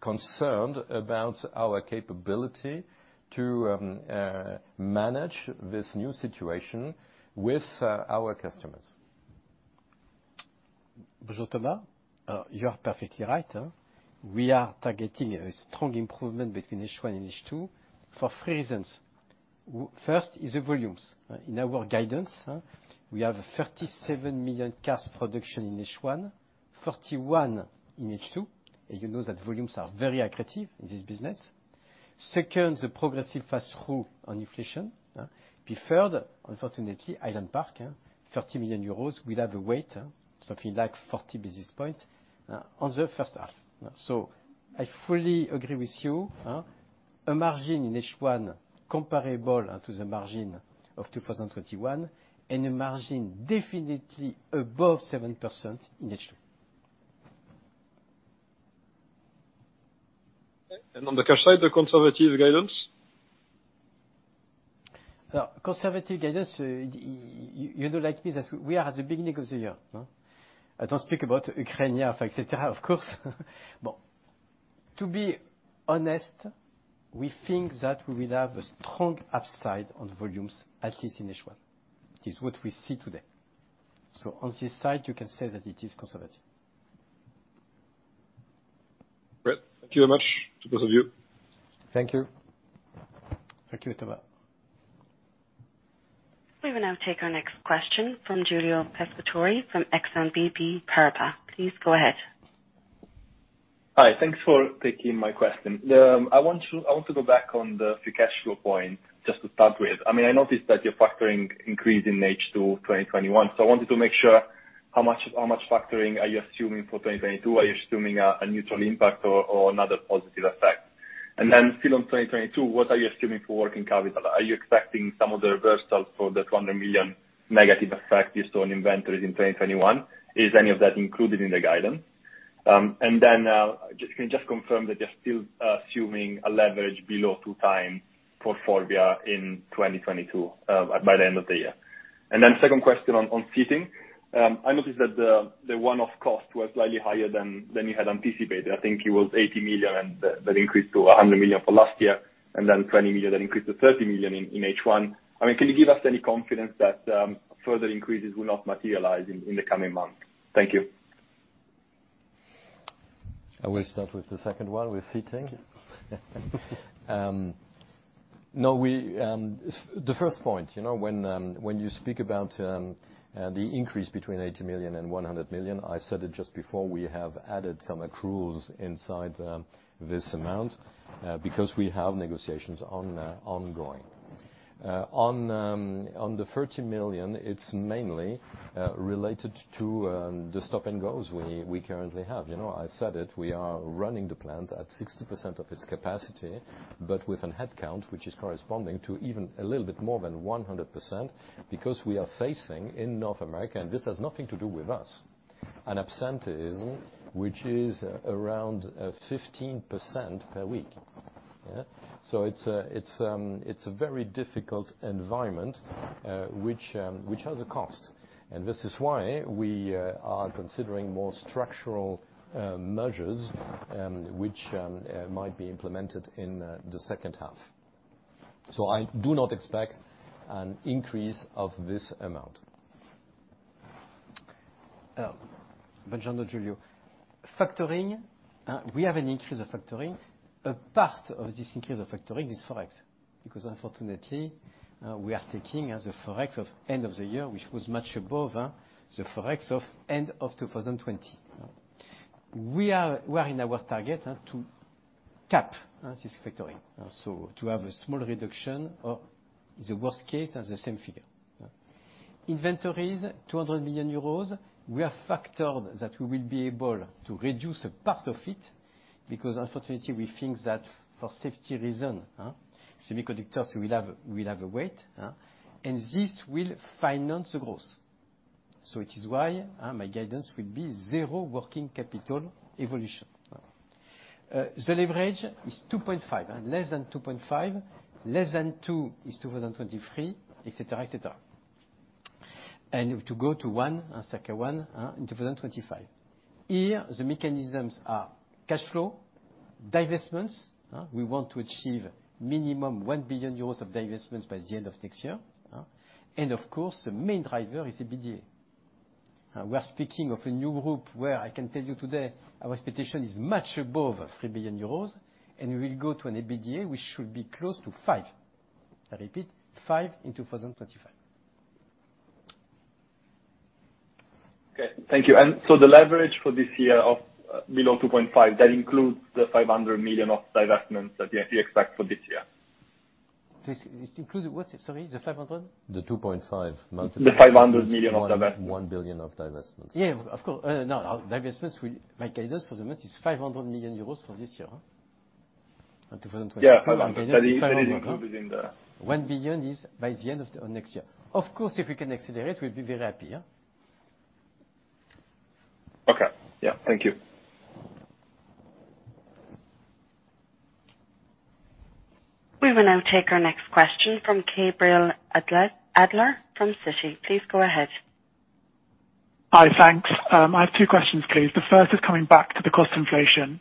concerned about our capability to manage this new situation with our customers. You are perfectly right. We are targeting a strong improvement between H1 and H2 for three reasons. First is the volumes. In our guidance, we have 37 million car production in H1, 31 in H2. You know that volumes are very accretive in this business. Second, the progressive pass-through on inflation. The third, unfortunately, Highland Park, 30 million euros will have a weight, something like 40 basis points on the first half. I fully agree with you. A margin in H1 comparable to the margin of 2021 and a margin definitely above 7% in H2. On the cash side, the conservative guidance? Conservative guidance, you know, like me, that we are at the beginning of the year. I don't speak about Ukraine yet, et cetera, of course. To be honest, we think that we will have a strong upside on volumes at least in H1. It is what we see today. On this side, you can say that it is conservative. Great. Thank you very much to both of you. Thank you. Thank you. We will now take our next question from Giulio Pescatore from Exane BNP Paribas. Please go ahead. Hi. Thanks for taking my question. I want to go back on the free cash flow point just to start with. I mean, I noticed that you're factoring increase in H2 2021, so I wanted to make sure how much factoring are you assuming for 2022? Are you assuming a neutral impact or another positive effect? Then still on 2022, what are you assuming for working capital? Are you expecting some of the reversals for the 200 million negative effect you saw on inventories in 2021? Is any of that included in the guidance? Then, can you just confirm that you're still assuming a leverage below 2x for FORVIA in 2022, by the end of the year? Second question on seating. I noticed that the one-off cost was slightly higher than you had anticipated. I think it was 80 million and that increased to 100 million for last year, and then 20 million that increased to 30 million in H1. I mean, can you give us any confidence that further increases will not materialize in the coming months? Thank you. I will start with the second one with seating. The first point, you know, when you speak about the increase between 80 million and 100 million, I said it just before, we have added some accruals inside this amount because we have negotiations ongoing. On the 30 million, it's mainly related to the stop and goes we currently have. You know, I said it, we are running the plant at 60% of its capacity, but with a headcount which is corresponding to even a little bit more than 100% because we are facing in North America, and this has nothing to do with us, an absenteeism which is around 15% per week. Yeah. It's a very difficult environment, which has a cost. This is why we are considering more structural measures, which might be implemented in the second half. I do not expect an increase of this amount. John and Giulio, factoring, we have an increase of factoring. A part of this increase of factoring is forex, because unfortunately, we are taking as a forex of end of the year, which was much above, the forex of end of 2020. We are in our target to cap this factoring, so to have a small reduction or the worst case as the same figure. Inventories, 200 million euros, we have factored that we will be able to reduce a part of it because unfortunately we think that for safety reason, semiconductors will have a weight, and this will finance the growth. It is why my guidance will be zero working capital evolution. The leverage is 2.5, less than 2.5, less than 2 is 2023, et cetera, et cetera. To go to 1, second one in 2025. Here, the mechanisms are cash flow, divestments. We want to achieve minimum 1 billion euros of divestments by the end of next year. Of course, the main driver is EBITDA. We are speaking of a new group where I can tell you today our expectation is much above 3 billion euros, and we will go to an EBITDA which should be close to 5 billion. I repeat, 5 billion in 2025. Okay. Thank you. The leverage for this year of below 2.5, that includes the 500 million of divestments that you expect for this year? This includes what? Sorry. The 500? The 2.5 Multiplied- The 500 million of divestments 1 billion of divestments. Yeah, of course. No. My guidance for the month is 500 million euros for this year in 2022. Yeah. I was wondering if that is included in the? 1 billion is by the end of the next year. Of course, if we can accelerate, we'd be very happy, yeah. Okay. Yeah. Thank you. We will now take our next question from Gabriel Adler from Citi. Please go ahead. Hi. Thanks. I have two questions, please. The first is coming back to the cost inflation.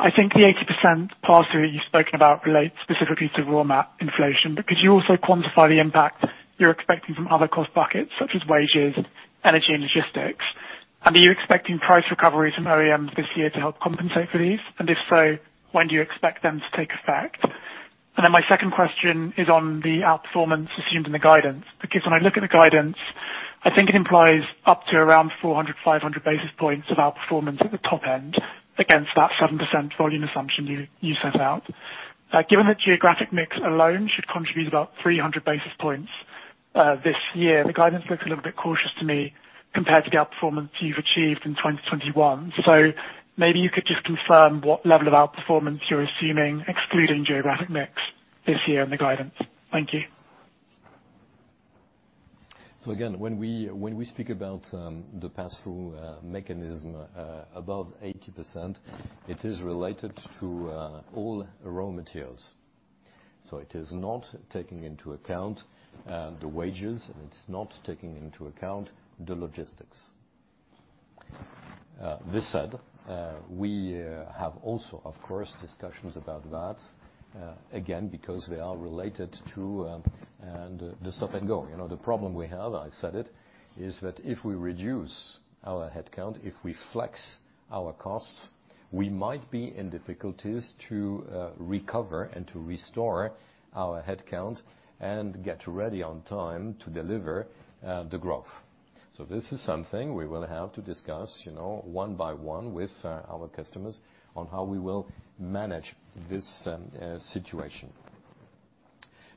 I think the 80% pass-through you've spoken about relates specifically to raw mat inflation, but could you also quantify the impact you're expecting from other cost buckets such as wages, energy and logistics? Are you expecting price recovery from OEMs this year to help compensate for these? If so, when do you expect them to take effect? My second question is on the outperformance assumed in the guidance. Because when I look at the guidance, I think it implies up to around 400-500 basis points of outperformance at the top end against that 7% volume assumption you set out. Given that geographic mix alone should contribute about 300 basis points this year, the guidance looks a little bit cautious to me compared to the outperformance you've achieved in 2021. Maybe you could just confirm what level of outperformance you're assuming, excluding geographic mix this year in the guidance. Thank you. Again, when we speak about the pass-through mechanism above 80%, it is related to all raw materials. It is not taking into account the wages, and it's not taking into account the logistics. That said, we have also, of course, discussions about that, again because they are related to and the stop and go. You know, the problem we have, I said it, is that if we reduce our headcount, if we flex our costs, we might be in difficulties to recover and to restore our headcount and get ready on time to deliver the growth. This is something we will have to discuss, you know, one by one with our customers on how we will manage this situation.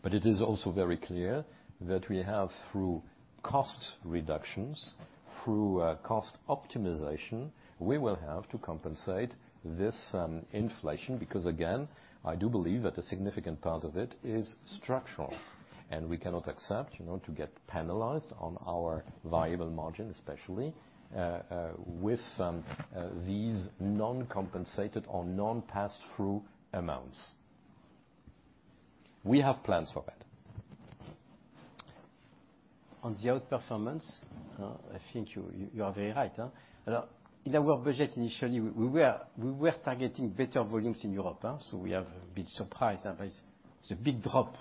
It is also very clear that we have through cost reductions, through cost optimization, we will have to compensate this inflation. Because again, I do believe that a significant part of it is structural, and we cannot accept, you know, to get penalized on our valuable margin, especially with these non-compensated or non-pass-through amounts. We have plans for that. On the outperformance, I think you are very right. In our budget initially, we were targeting better volumes in Europe, so we have been surprised by the big drop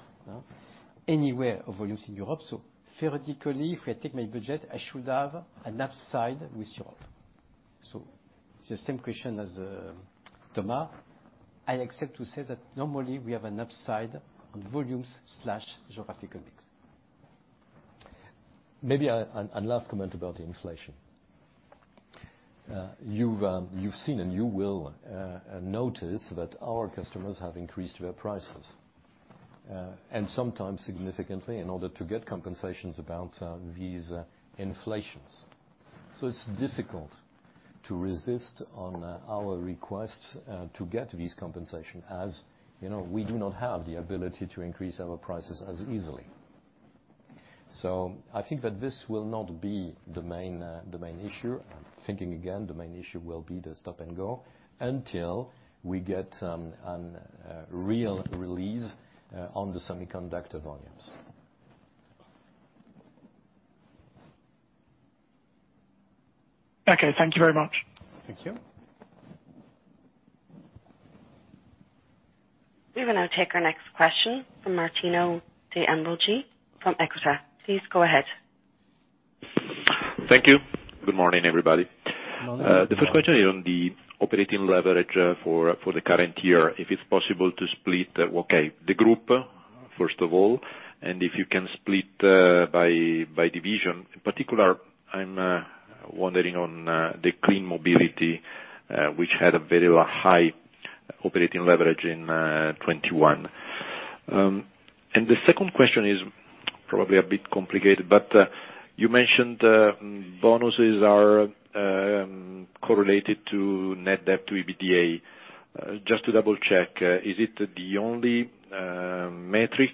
everywhere in volumes in Europe. Theoretically, if I take my budget, I should have an upside with Europe. It's the same question as Thomas. I expect to say that normally we have an upside on volumes slash geographical mix. Maybe a last comment about inflation. You've seen and you will notice that our customers have increased their prices and sometimes significantly in order to get compensations about these inflations. It's difficult to resist on our requests to get these compensation as you know we do not have the ability to increase our prices as easily. I think that this will not be the main issue. I'm thinking again, the main issue will be the stop and go until we get a real release on the semiconductor volumes. Okay. Thank you very much. Thank you. We will now take our next question from Martino De Ambroggi from Equita. Please go ahead. Thank you. Good morning, everybody. Morning. The first question is on the operating leverage for the current year, if it's possible to split the group, first of all, and if you can split by division. In particular, I'm wondering on the Clean Mobility, which had a very high operating leverage in 2021. The second question is probably a bit complicated, but you mentioned bonuses are correlated to net debt to EBITDA. Just to double-check, is it the only metric?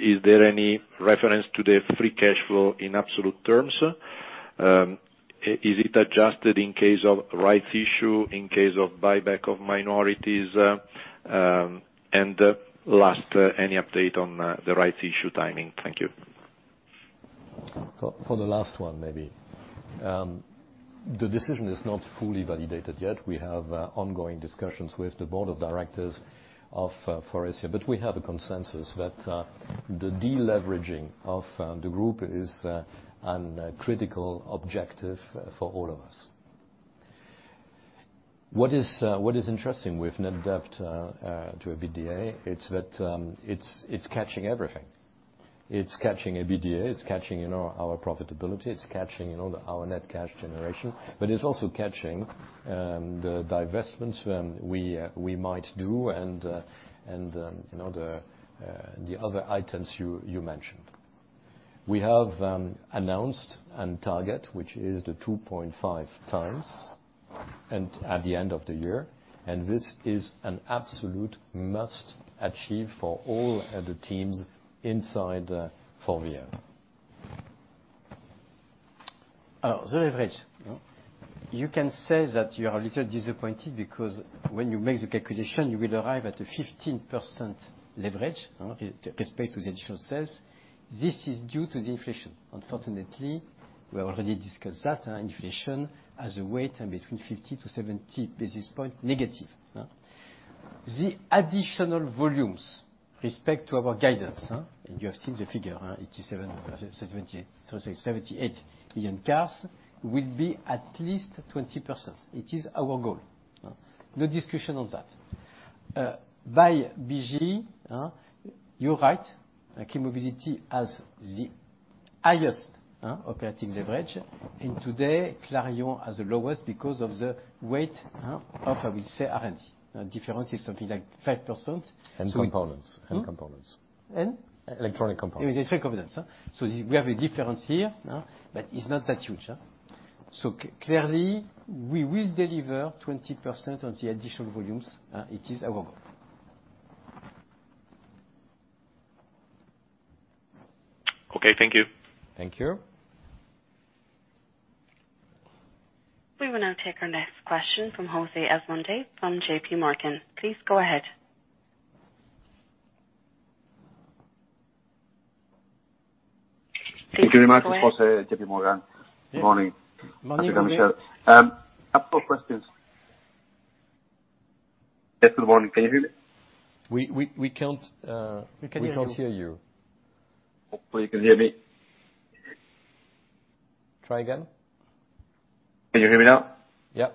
Is there any reference to the free cash flow in absolute terms? Is it adjusted in case of rights issue, in case of buyback of minorities? Last, any update on the rights issue timing? Thank you. For the last one, maybe. The decision is not fully validated yet. We have ongoing discussions with the board of directors of Faurecia, but we have a consensus that the deleveraging of the group is a critical objective for all of us. What is interesting with net debt to EBITDA is that it's catching everything. It's catching EBITDA. It's catching, you know, our profitability. It's catching, you know, our net cash generation. But it's also catching the divestments when we might do and, you know, the other items you mentioned. We have announced a target, which is 2.5x at the end of the year, and this is an absolute must-achieve for all the teams inside Faurecia. The leverage, you can say that you are a little disappointed because when you make the calculation, you will arrive at a 15% leverage, with respect to the additional sales. This is due to the inflation. Unfortunately, we already discussed that, inflation has a weight between 50-70 basis points negative. The additional volumes with respect to our guidance, and you have seen the figure, 87.78, so say 78 million cars, will be at least 20%. It is our goal. No discussion on that. By BG, you're right. Clean Mobility has the highest operating leverage, and today, Clarion has the lowest because of the weight of, I will say, R&D. The difference is something like 5%. Components. Hmm? Components. And? Electronic components. Electronic components. We have a difference here, but it's not that huge. Clearly, we will deliver 20% on the additional volumes. It is our goal. Okay. Thank you. Thank you. We will now take our next question from José Asumendi from JPMorgan. Please go ahead. Thank you very much. José Asumendi, JPMorgan. Good morning. Morning. I've got questions. Good morning. Can you hear me? We can't hear you. Hopefully you can hear me. Try again. Can you hear me now? Yeah.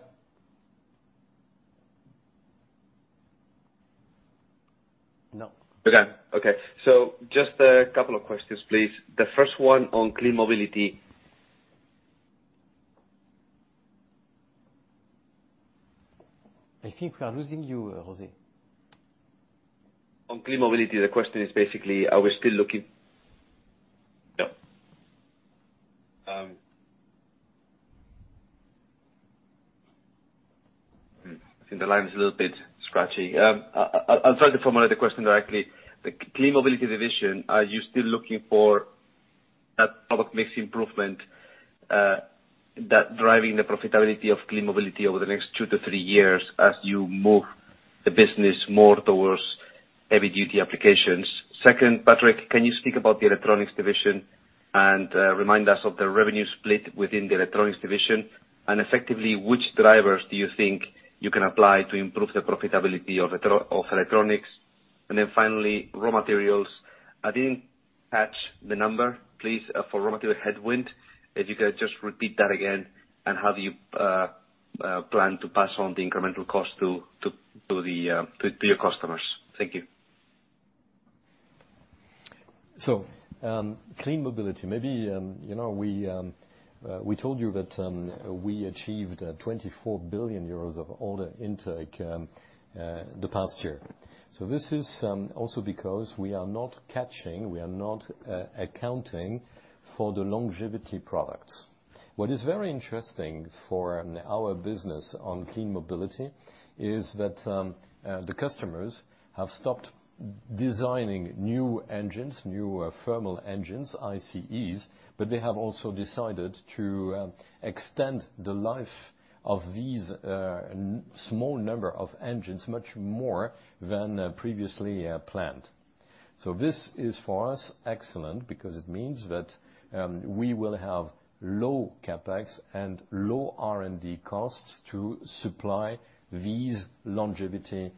No. Okay. Just a couple of questions, please. The first one on Clean Mobility. I think we are losing you, José. On Clean Mobility, the question is basically are we still looking? No. I think the line is a little bit scratchy. I'll try to formulate the question directly. The Clean Mobility division, are you still looking for a product mix improvement that driving the profitability of Clean Mobility over the next two to three years as you move the business more towards heavy duty applications? Second, Patrick, can you speak about the electronics division and remind us of the revenue split within the electronics division? Effectively, which drivers do you think you can apply to improve the profitability of electronics? Finally, raw materials. I didn't catch the number, please, for raw material headwind. If you could just repeat that again, and how do you plan to pass on the incremental cost to your customers? Thank you. Clean Mobility. Maybe, you know, we told you that we achieved 24 billion euros of order intake the past year. This is also because we are not accounting for the longevity products. What is very interesting for our business on Clean Mobility is that the customers have stopped designing new engines, new thermal engines, ICEs, but they have also decided to extend the life of these small number of engines much more than previously planned. This is for us excellent because it means that we will have low CapEx and low R&D costs to supply these longevity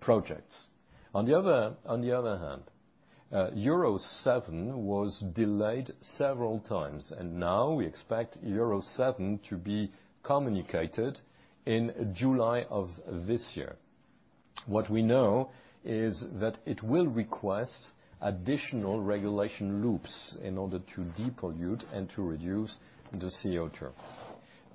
projects. On the other hand, Euro 7 was delayed several times, and now we expect Euro 7 to be communicated in July of this year. What we know is that it will request additional regulation loops in order to depollute and to reduce the CO2.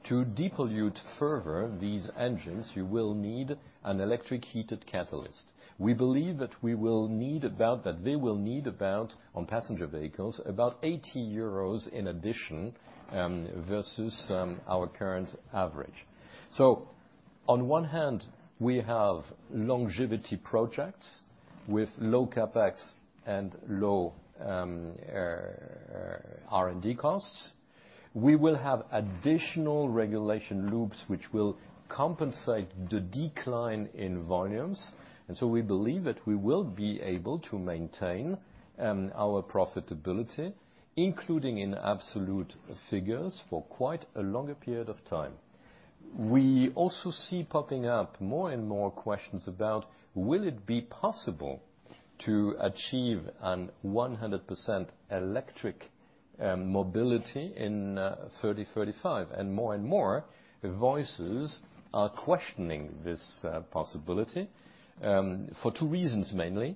To depollute further these engines, you will need an electric heated catalyst. We believe that they will need about 80 euros in addition versus our current average on passenger vehicles. On one hand, we have longevity projects with low CapEx and low R&D costs. We will have additional regulation loops which will compensate the decline in volumes, and so we believe that we will be able to maintain our profitability, including in absolute figures for quite a longer period of time. We also see popping up more and more questions about will it be possible to achieve a 100% electric mobility in 2035? More and more voices are questioning this possibility for two reasons mainly.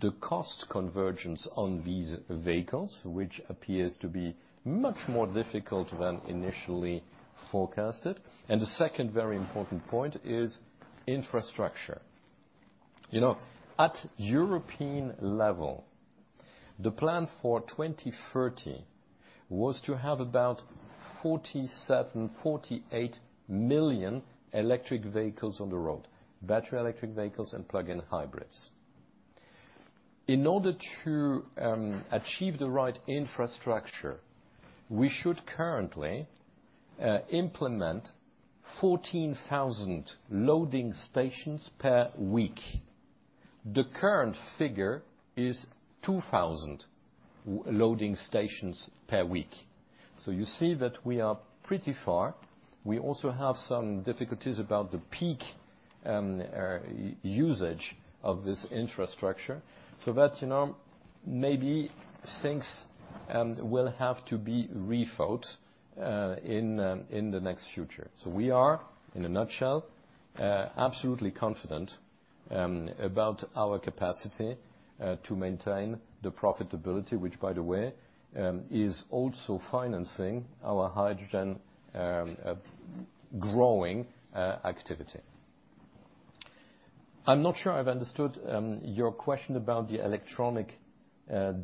The cost convergence on these vehicles, which appears to be much more difficult than initially forecasted. The second very important point is infrastructure. You know, at European level, the plan for 2030 was to have about 47-48 million electric vehicles on the road, battery electric vehicles and plug-in hybrids. In order to achieve the right infrastructure, we should currently implement 14,000 charging stations per week. The current figure is 2,000 charging stations per week. So you see that we are pretty far. We also have some difficulties about the peak usage of this infrastructure. That, you know, maybe things will have to be refilled in the next future. We are, in a nutshell, absolutely confident about our capacity to maintain the profitability, which by the way, is also financing our hydrogen growing activity. I'm not sure I've understood your question about the electronic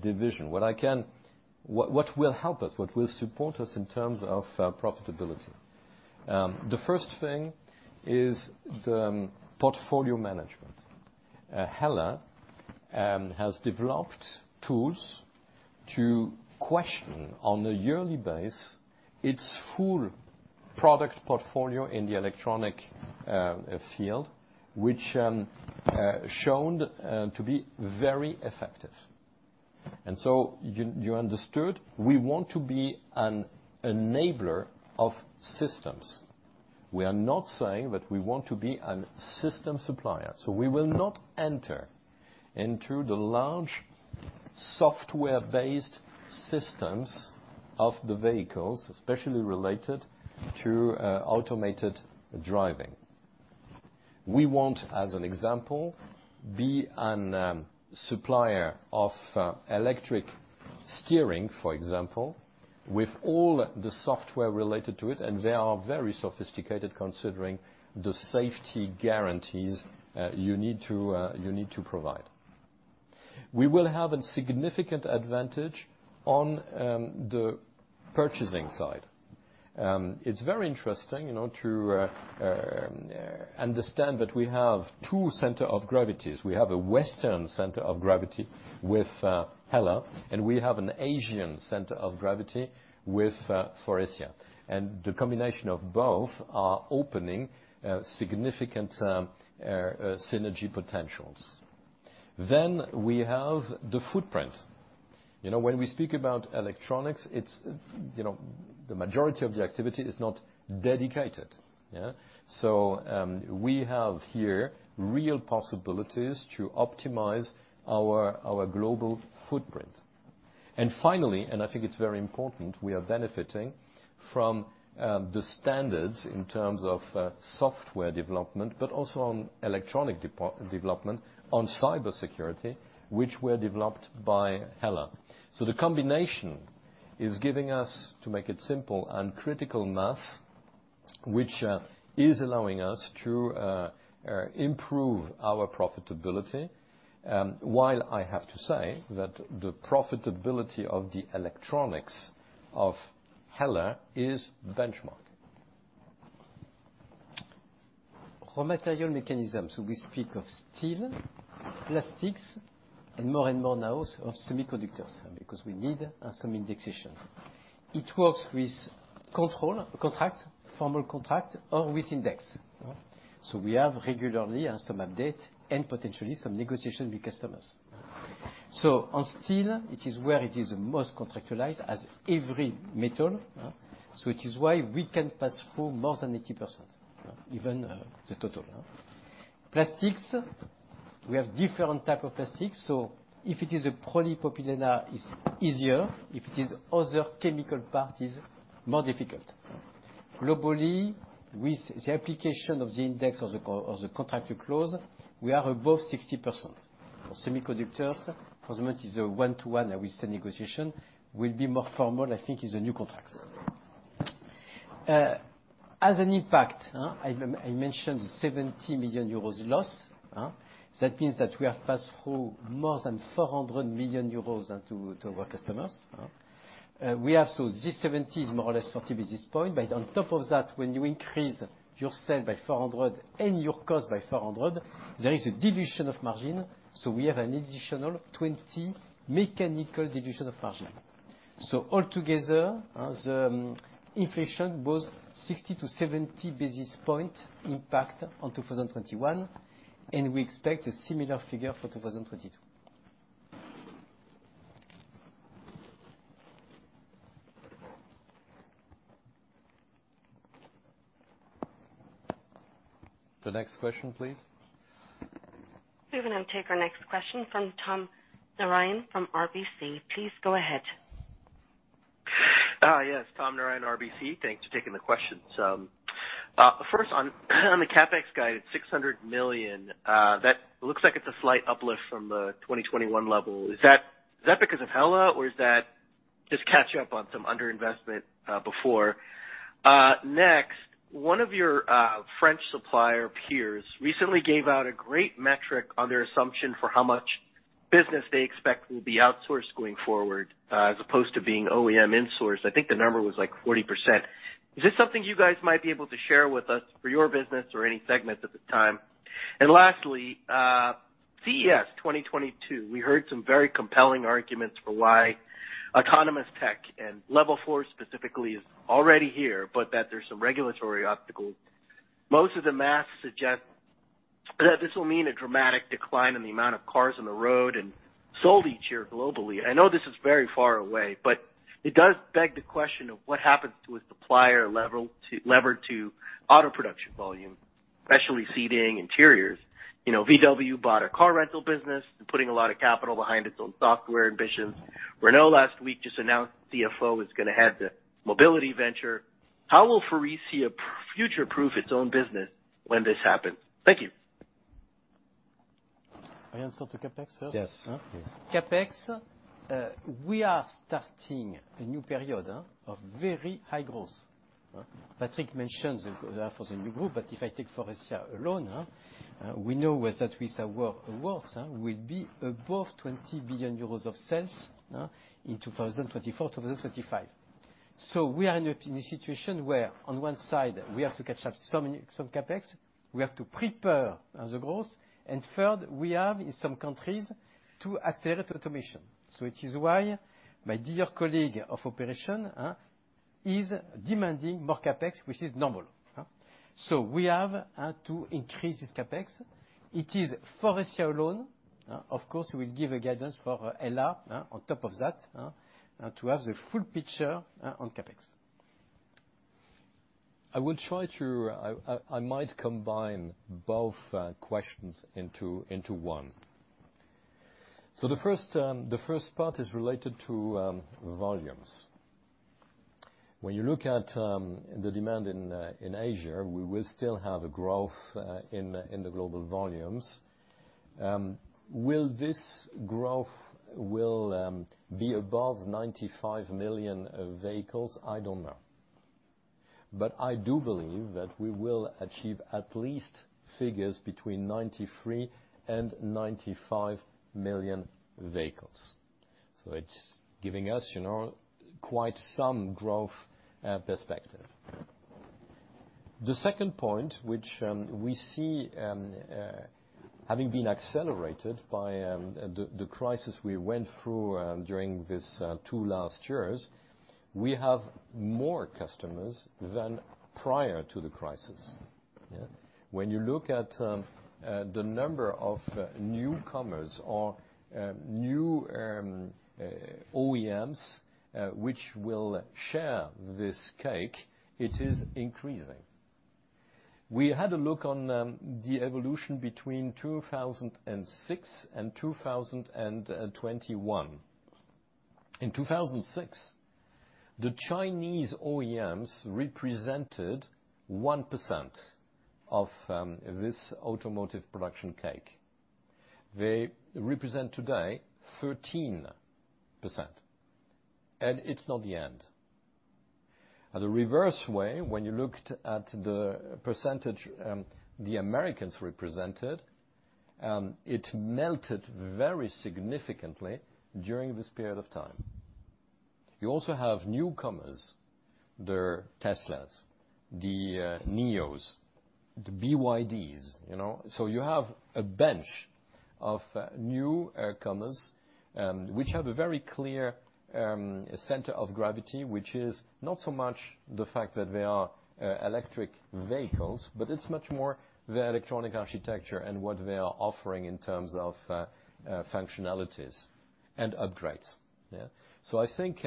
division. What will help us, what will support us in terms of profitability. The first thing is the portfolio management. HELLA has developed tools to question on a yearly base its full product portfolio in the electronic field, which shown to be very effective. You understood we want to be an enabler of systems. We are not saying that we want to be a system supplier, so we will not enter into the large software-based systems of the vehicles, especially related to automated driving. We want, as an example, to be a supplier of electric steering, for example, with all the software related to it, and they are very sophisticated considering the safety guarantees you need to provide. We will have a significant advantage on the purchasing side. It's very interesting, you know, to understand that we have two centers of gravity. We have a Western center of gravity with HELLA, and we have an Asian center of gravity with Faurecia. The combination of both is opening significant synergy potentials. We have the footprint. You know, when we speak about electronics, it's you know, the majority of the activity is not dedicated. We have here real possibilities to optimize our global footprint. Finally, I think it's very important, we are benefiting from the standards in terms of software development, but also on electronic development on cybersecurity, which were developed by HELLA. The combination is giving us, to make it simple, a critical mass, which is allowing us to improve our profitability. While I have to say that the profitability of the electronics of HELLA is benchmark. Raw material mechanisms. We speak of steel, plastics, and more and more now of semiconductors, because we need some indexation. It works with controlled contracts, formal contract or with index. We have regularly some update and potentially some negotiation with customers. On steel, it is where it is most contractualized as every metal. It is why we can pass through more than 80%, even the total. Plastics, we have different type of plastics. If it is a polypropylene, it's easier. If it is other chemical parts, more difficult. Globally, with the application of the index of the contract to close, we are above 60%. For semiconductors, for the moment, is a one-to-one with the negotiation, will be more formal, I think it's a new contract. As an impact, I mentioned 70 million euros loss. That means that we have passed through more than 400 million euros into, to our customers. We have, so this 70 is more or less 40 basis points. On top of that, when you increase your sale by 400 and your cost by 400, there is a dilution of margin. We have an additional 20 mechanical dilution of margin. All together, as inflation, both 60-70 basis points impact on 2021, and we expect a similar figure for 2022. The next question, please. We will now take our next question from Tom Narayan from RBC. Please go ahead. Yes. Tom Narayan, RBC. Thanks for taking the questions. First on the CapEx guide, 600 million, that looks like it's a slight uplift from the 2021 level. Is that because of HELLA or is that just catch up on some underinvestment before? Next, one of your French supplier peers recently gave out a great metric on their assumption for how much business they expect will be outsourced going forward, as opposed to being OEM insourced. I think the number was like 40%. Is this something you guys might be able to share with us for your business or any segments at this time? Lastly, CES 2022, we heard some very compelling arguments for why autonomous tech and level four specifically is already here, but that there's some regulatory obstacles. Most of the math suggests that this will mean a dramatic decline in the amount of cars on the road and sold each year globally. I know this is very far away, but it does beg the question of what happens at a supplier level to auto production volume, especially Seating, Interiors. You know, VW bought a car rental business. They're putting a lot of capital behind its own software ambitions. Renault last week just announced the CFO is gonna head the mobility venture. How will Faurecia future-proof its own business when this happens? Thank you. I answer to CapEx first? Yes, please. CapEx, we are starting a new period of very high growth. Patrick mentioned for the new group, but if I take Faurecia alone, we know that with our awards, we'll be above 20 billion euros of sales in 2024, 2025. We are in a situation where on one side we have to catch up some CapEx, we have to prepare the growth, and third, we have in some countries to accelerate automation. It is why my dear colleague in operations is demanding more CapEx, which is normal. We have to increase this CapEx. It is for this year alone, of course, we will give a guidance for LR on top of that to have the full picture on CapEx. I might combine both questions into one. The first part is related to volumes. When you look at the demand in Asia, we will still have a growth in the global volumes. Will this growth be above 95 million vehicles? I don't know. I do believe that we will achieve at least figures between 93 and 95 million vehicles. It's giving us, you know, quite some growth perspective. The second point which we see having been accelerated by the crisis we went through during the last two years, we have more customers than prior to the crisis. When you look at the number of newcomers or new OEMs which will share this cake, it is increasing. We had a look on the evolution between 2006 and 2021. In 2006, the Chinese OEMs represented 1% of this automotive production cake. They represent today 13%, and it's not the end. At the reverse way, when you looked at the percentage, the Americans represented, it melted very significantly during this period of time. You also have newcomers. There are Tesla, NIO, BYD, you know. You have a bench of newcomers, which have a very clear center of gravity, which is not so much the fact that they are electric vehicles, but it's much more the electronic architecture and what they are offering in terms of functionalities and upgrades. Yeah. I think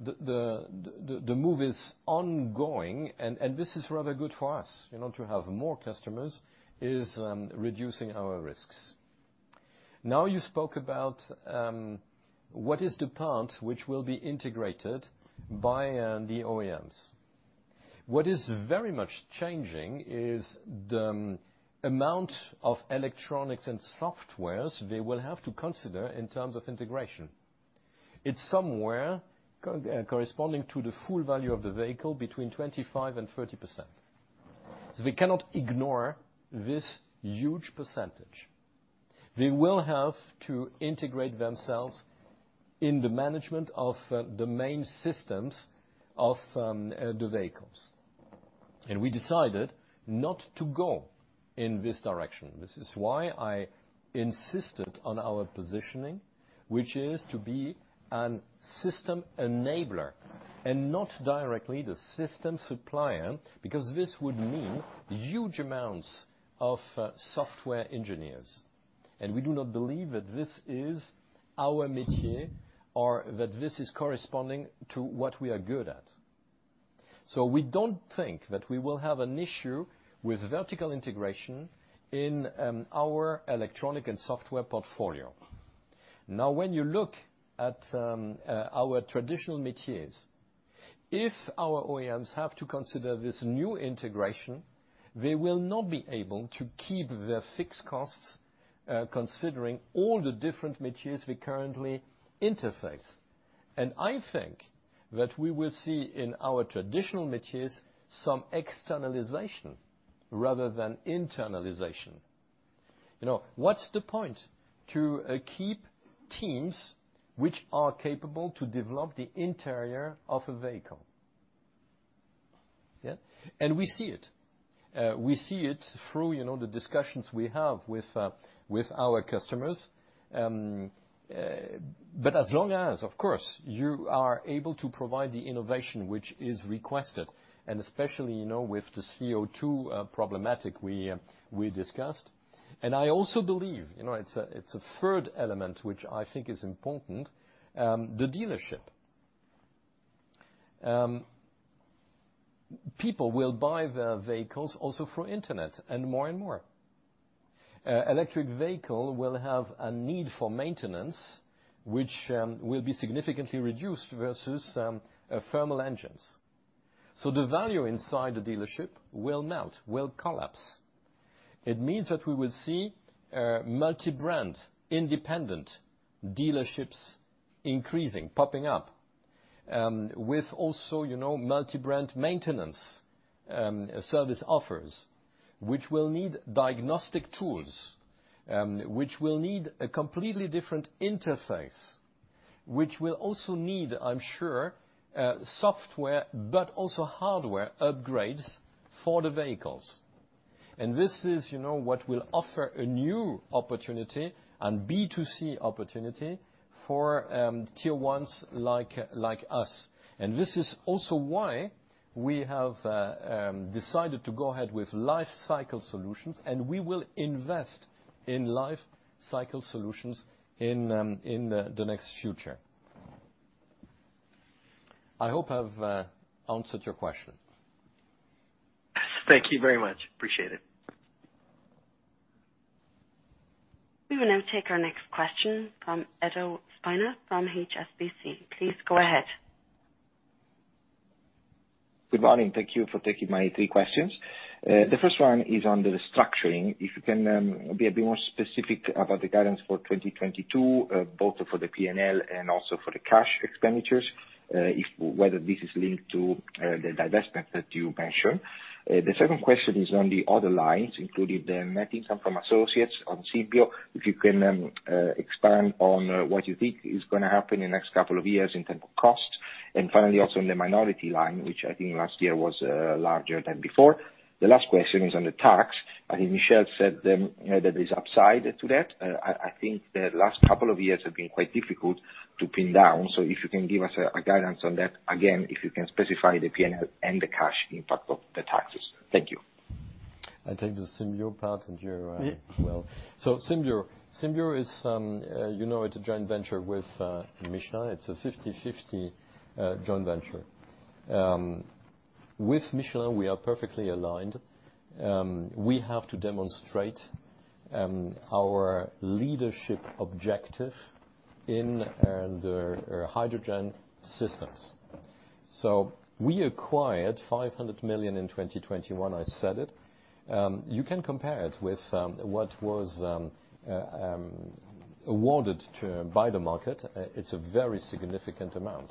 the move is ongoing and this is rather good for us. You know, to have more customers is reducing our risks. Now you spoke about what is the part which will be integrated by the OEMs. What is very much changing is the amount of electronics and software they will have to consider in terms of integration. It's somewhere corresponding to the full value of the vehicle between 25%-30%. We cannot ignore this huge percentage. They will have to integrate themselves in the management of the main systems of the vehicles. We decided not to go in this direction. This is why I insisted on our positioning, which is to be a system enabler and not directly the system supplier, because this would mean huge amounts of software engineers. We do not believe that this is our métier or that this is corresponding to what we are good at. We don't think that we will have an issue with vertical integration in our electronic and software portfolio. Now, when you look at our traditional métiers, if our OEMs have to consider this new integration, they will not be able to keep their fixed costs considering all the different métiers we currently interface. I think that we will see in our traditional métiers some externalization rather than internalization. You know, what's the point to keep teams which are capable to develop the interior of a vehicle? We see it through, you know, the discussions we have with our customers. But as long as, of course, you are able to provide the innovation which is requested, and especially, you know, with the CO2 problematic we discussed. I also believe, you know, it's a third element which I think is important, the dealership. People will buy their vehicles also through internet and more and more. Electric vehicle will have a need for maintenance which will be significantly reduced versus thermal engines. So the value inside the dealership will melt, will collapse. It means that we will see multi-brand independent dealerships increasing, popping up, with also, you know, multi-brand maintenance service offers, which will need diagnostic tools. Which will need a completely different interface, which will also need, I'm sure, software but also hardware upgrades for the vehicles. This is, you know, what will offer a new opportunity and B2C opportunity for Tier 1s like us. This is also why we have decided to go ahead with Lifecycle Solutions, and we will invest in Lifecycle Solutions in the near future. I hope I've answered your question. Thank you very much. Appreciate it. We will now take our next question from Edoardo Spina from HSBC. Please go ahead. Good morning. Thank you for taking my three questions. The first one is on the restructuring. If you can be a bit more specific about the guidance for 2022, both for the P&L and also for the cash expenditures, if whether this is linked to the divestment that you mentioned. The second question is on the other lines, including the net income from associates on Symbio, if you can expand on what you think is gonna happen in the next couple of years in terms of cost. Finally, also in the minority line, which I think last year was larger than before. The last question is on the tax. I think Michel said, you know, that there's upside to that. I think the last couple of years have been quite difficult to pin down, so if you can give us a guidance on that, again, if you can specify the P&L and the cash impact of the taxes. Thank you. I'll take the Symbio part, and you, as well. Yeah. Symbio is, you know, it's a joint venture with Michelin. It's a 50/50 joint venture. With Michelin, we are perfectly aligned. We have to demonstrate our leadership objective in and our hydrogen systems. We acquired 500 million in 2021, I said it. You can compare it with what was awarded to by the market. It's a very significant amount,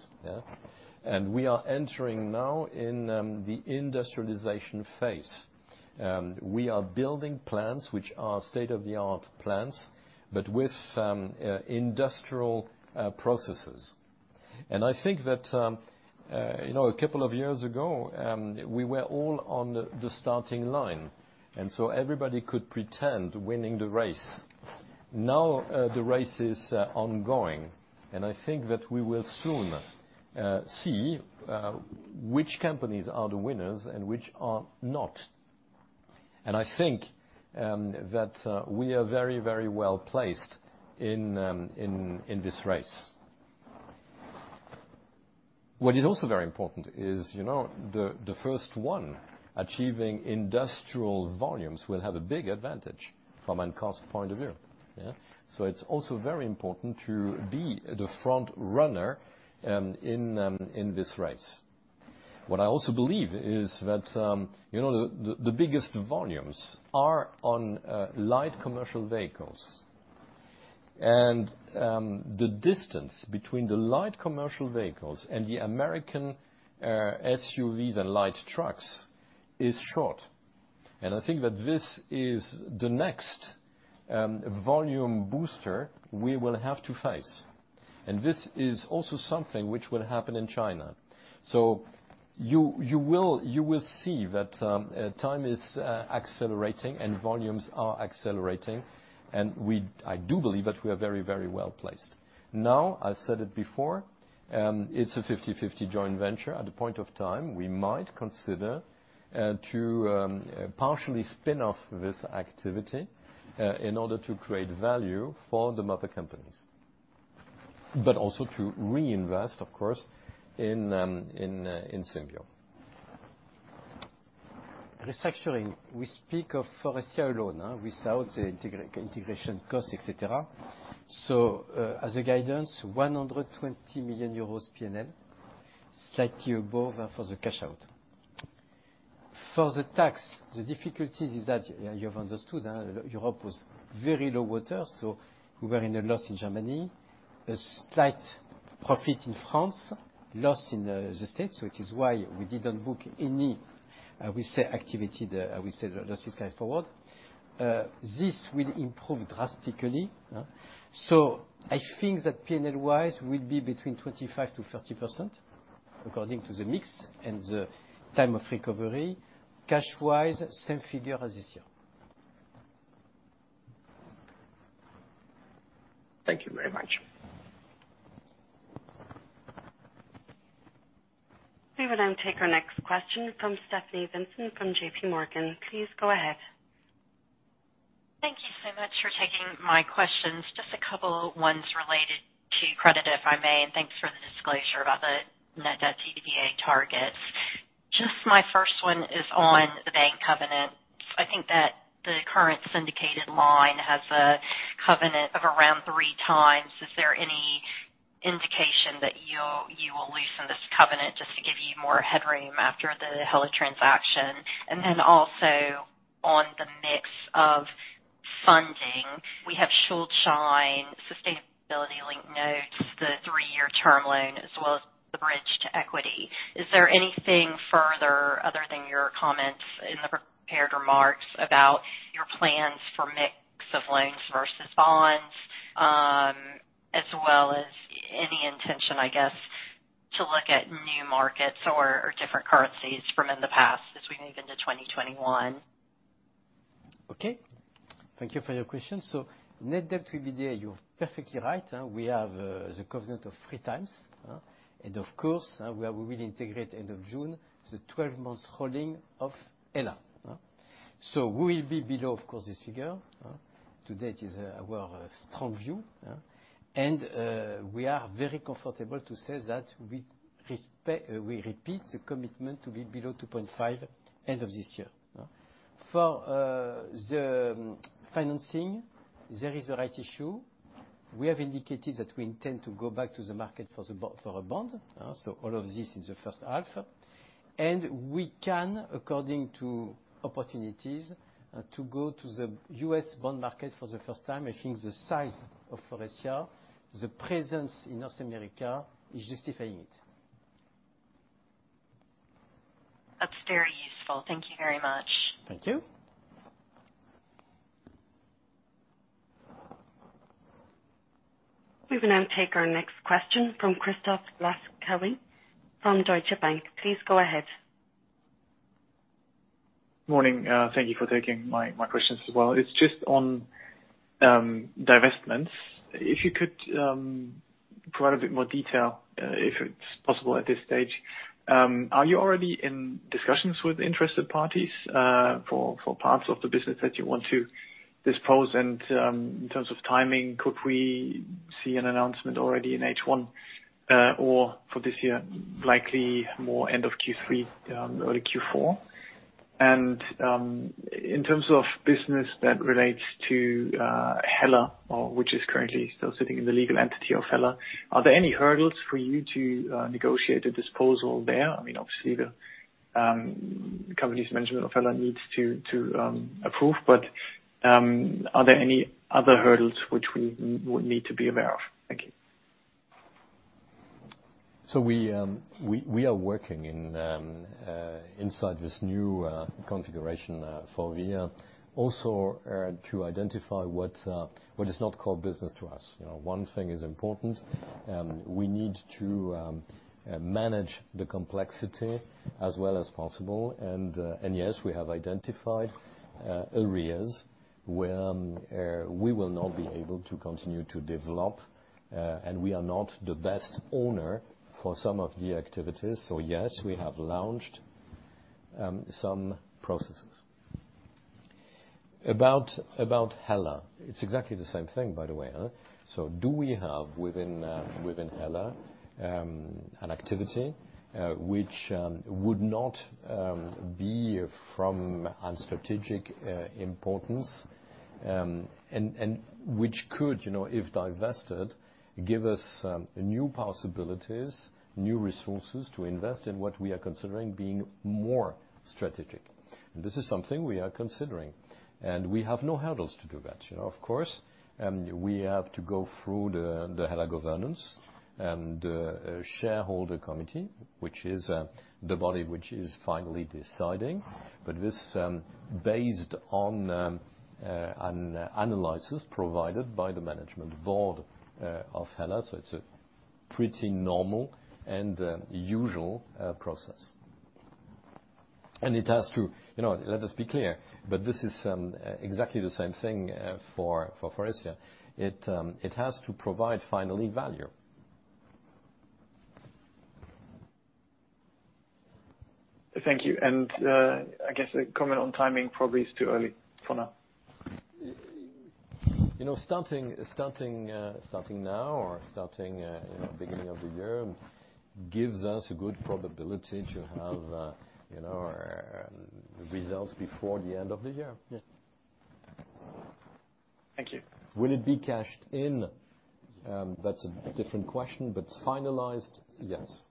yeah? We are entering now in the industrialization phase. We are building plants, which are state-of-the-art plants, but with industrial processes. I think that, you know, a couple of years ago, we were all on the starting line, and everybody could pretend winning the race. Now, the race is ongoing, and I think that we will soon see which companies are the winners and which are not. I think that we are very, very well placed in this race. What is also very important is, you know, the first one achieving industrial volumes will have a big advantage from a cost point of view, yeah. It's also very important to be the front runner in this race. What I also believe is that, you know, the biggest volumes are on light commercial vehicles. The distance between the light commercial vehicles and the American SUVs and light trucks is short. I think that this is the next volume booster we will have to face. This is also something which will happen in China. You will see that time is accelerating and volumes are accelerating, and I do believe that we are very, very well placed. Now, I said it before, it's a 50/50 joint venture. At the point of time, we might consider to partially spin off this activity in order to create value for the mother companies, but also to reinvest, of course, in Symbio. Restructuring. We speak of for this year alone. Without the integration cost, et cetera. As a guidance, 120 million euros P&L, slightly above, for the cash out. For the tax, the difficulties is that you have understood, Europe was very low water, so we were in a loss in Germany. A slight profit in France. Loss in the U.S., so it is why we didn't book any, we say activity, the losses going forward. This will improve drastically. I think that P&L wise will be between 25%-30% according to the mix and the time of recovery. Cash wise, same figure as this year. Thank you very much. We will now take our next question from Stephanie Vincent from JPMorgan. Please go ahead. Thank you so much for taking my questions. Just a couple ones related to credit, if I may, and thanks for the disclosure about the net debt EBITDA targets. Just my first one is on the bank covenant. I think that the current syndicated line has a covenant of around 3x. Is there any indication that you will loosen this covenant just to give you more headroom after the HELLA transaction? And then also on the mix of funding. Is there anything further other than your comments in the prepared remarks about your plans for mix of loans versus bonds, as well as any intention, I guess, to look at new markets or different currencies from in the past as we move into 2021? Okay. Thank you for your question. Net debt to EBITDA, you're perfectly right. We have the covenant of 3x, and of course, we will integrate end of June, the 12 months holding of HELLA. We will be below, of course, this figure. To date is our strong view. We are very comfortable to say that we repeat the commitment to be below 2.5 end of this year. For the financing, there is a right issue. We have indicated that we intend to go back to the market for the bond, for a bond. All of this in the first half. We can, according to opportunities, to go to the U.S. bond market for the first time. I think the size of Faurecia, the presence in North America is justifying it. That's very useful. Thank you very much. Thank you. We will now take our next question from Christoph Laskawi from Deutsche Bank. Please go ahead. Morning, thank you for taking my questions as well. It's just on divestments. If you could provide a bit more detail, if it's possible at this stage. Are you already in discussions with interested parties, for parts of the business that you want to dispose? In terms of timing, could we see an announcement already in H1, or for this year, likely more end of Q3, early Q4? In terms of business that relates to HELLA, or which is currently still sitting in the legal entity of HELLA, are there any hurdles for you to negotiate a disposal there? I mean, obviously the company's management of HELLA needs to approve, but are there any other hurdles which we would need to be aware of? Thank you. We are working inside this new configuration for a year also to identify what is not core business to us. You know, one thing is important, we need to manage the complexity as well as possible. Yes, we have identified areas where we will not be able to continue to develop, and we are not the best owner for some of the activities. Yes, we have launched some processes. About HELLA, it's exactly the same thing, by the way. Do we have within HELLA an activity which would not be of strategic importance and which could, you know, if divested, give us new possibilities, new resources to invest in what we are considering being more strategic. This is something we are considering. We have no hurdles to do that. You know, of course, we have to go through the HELLA governance and shareholder committee, which is the body which is finally deciding. This, based on an analysis provided by the management board of HELLA, so it's a pretty normal and usual process. It has to, you know, let us be clear, but this is exactly the same thing for Faurecia. It has to provide finally value. Thank you. I guess a comment on timing probably is too early for now. You know, starting now or, you know, beginning of the year gives us a good probability to have, you know, results before the end of the year. Yeah. Thank you. Will it be cashed in? That's a different question, but finalized, yes.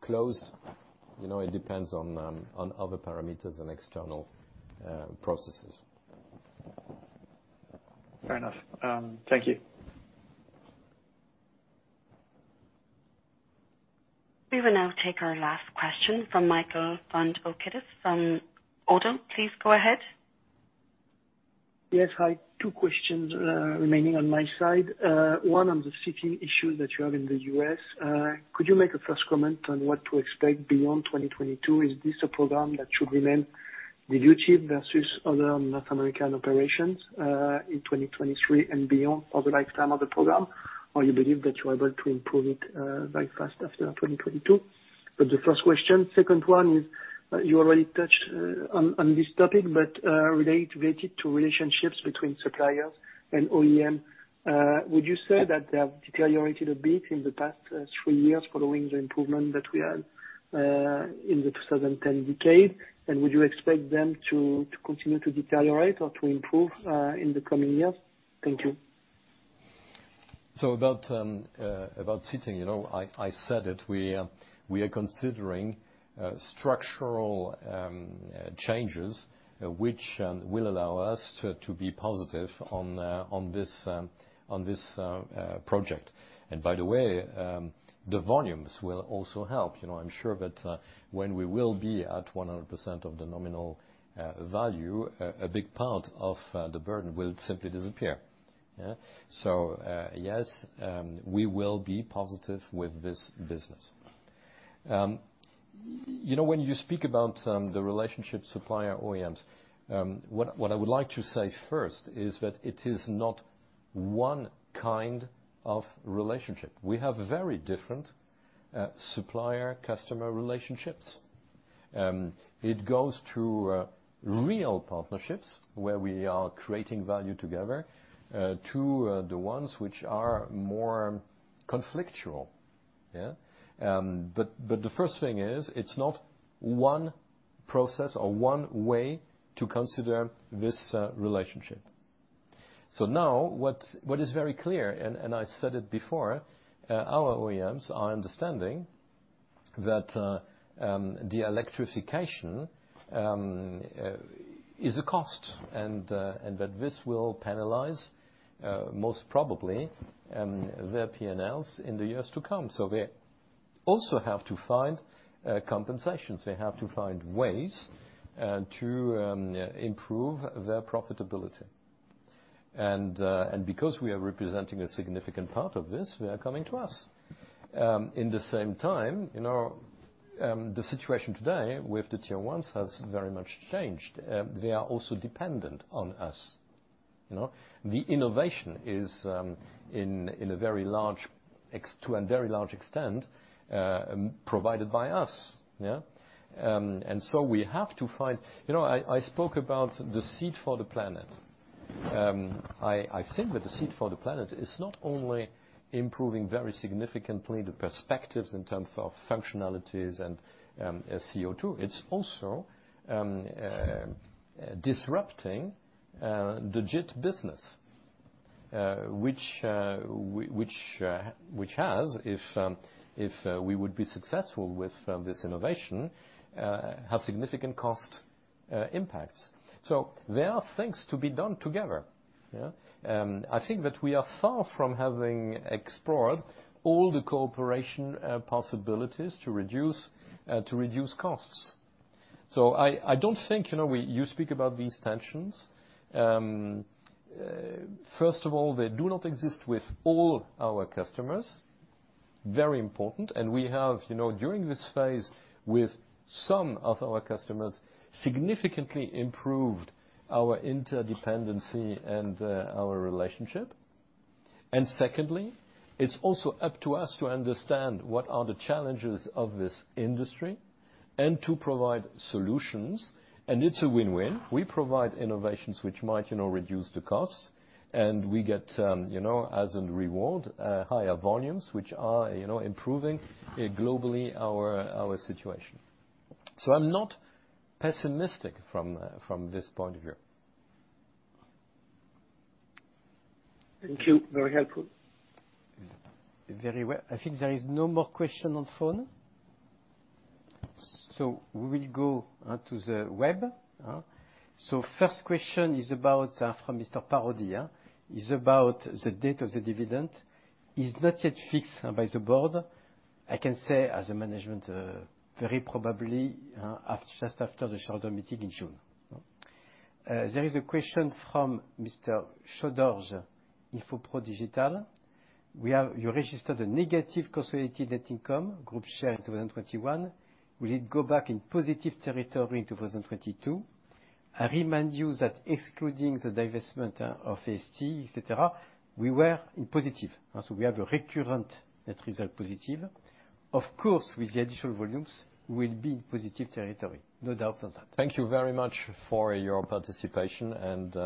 Closed, you know, it depends on other parameters and external processes. Fair enough. Thank you. We will now take our last question from Michael Foundoukidis from ODDO BHF. Please go ahead. Yes. Hi. Two questions remaining on my side. One on the city issue that you have in the U.S. Could you make a first comment on what to expect beyond 2022? Is this a program that should remain dilutive versus other North American operations in 2023 and beyond or the lifetime of the program? Or you believe that you are able to improve it very fast after 2022? The first question. Second one is, you already touched on this topic, but related to relationships between suppliers and OEM. Would you say that they have deteriorated a bit in the past three years following the improvement that we had in the 2010 decade? And would you expect them to continue to deteriorate or to improve in the coming years? Thank you. About Seating, you know, I said it, we are considering structural changes which will allow us to be positive on this project. By the way, the volumes will also help. You know, I'm sure that when we will be at 100% of the nominal value, a big part of the burden will simply disappear. Yeah? Yes, we will be positive with this business. You know, when you speak about the supplier-OEM relationship, what I would like to say first is that it is not one kind of relationship. We have very different supplier-customer relationships. It goes through real partnerships where we are creating value together to the ones which are more conflictual. The first thing is it's not one process or one way to consider this relationship. Now what is very clear, and I said it before, our OEMs are understanding that the electrification is a cost and that this will penalize most probably their PNLs in the years to come. They also have to find compensations. They have to find ways to improve their profitability. Because we are representing a significant part of this, they are coming to us. At the same time, you know, the situation today with the Tier 1s has very much changed. They are also dependent on us, you know? The innovation is in a very large extent provided by us. We have to find. You know, I spoke about the Seat for the Planet. I think that the Seat for the Planet is not only improving very significantly the perspectives in terms of functionalities and CO2. It's also disrupting the JIT business, which, if we would be successful with this innovation, have significant cost impacts. There are things to be done together, yeah? I think that we are far from having explored all the cooperation possibilities to reduce costs. I don't think, you know. You speak about these tensions. First of all, they do not exist with all our customers. Very important. We have, you know, during this phase with some of our customers, significantly improved our interdependency and our relationship. Secondly, it's also up to us to understand what are the challenges of this industry and to provide solutions, and it's a win-win. We provide innovations which might, you know, reduce the costs, and we get, you know, as a reward, higher volumes, which are, you know, improving globally our situation. I'm not pessimistic from this point of view. Thank you. Very helpful. Very well. I think there is no more question on phone, so we will go onto the web. So first question is about, from Mr. Parodi, is about the date of the dividend is not yet fixed by the board. I can say as a management, very probably, just after the shareholder meeting in June. There is a question from Mr. Chodorge, Infopro Digital. You registered a negative consolidated net income group share in 2021. Will it go back in positive territory in 2022? I remind you that excluding the divestment of SAS, et cetera, we were in positive. We have a recurrent net result positive. Of course, with the additional volumes, we'll be in positive territory. No doubt on that. Thank you very much for your participation and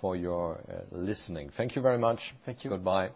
for your listening. Thank you very much. Thank you. Goodbye.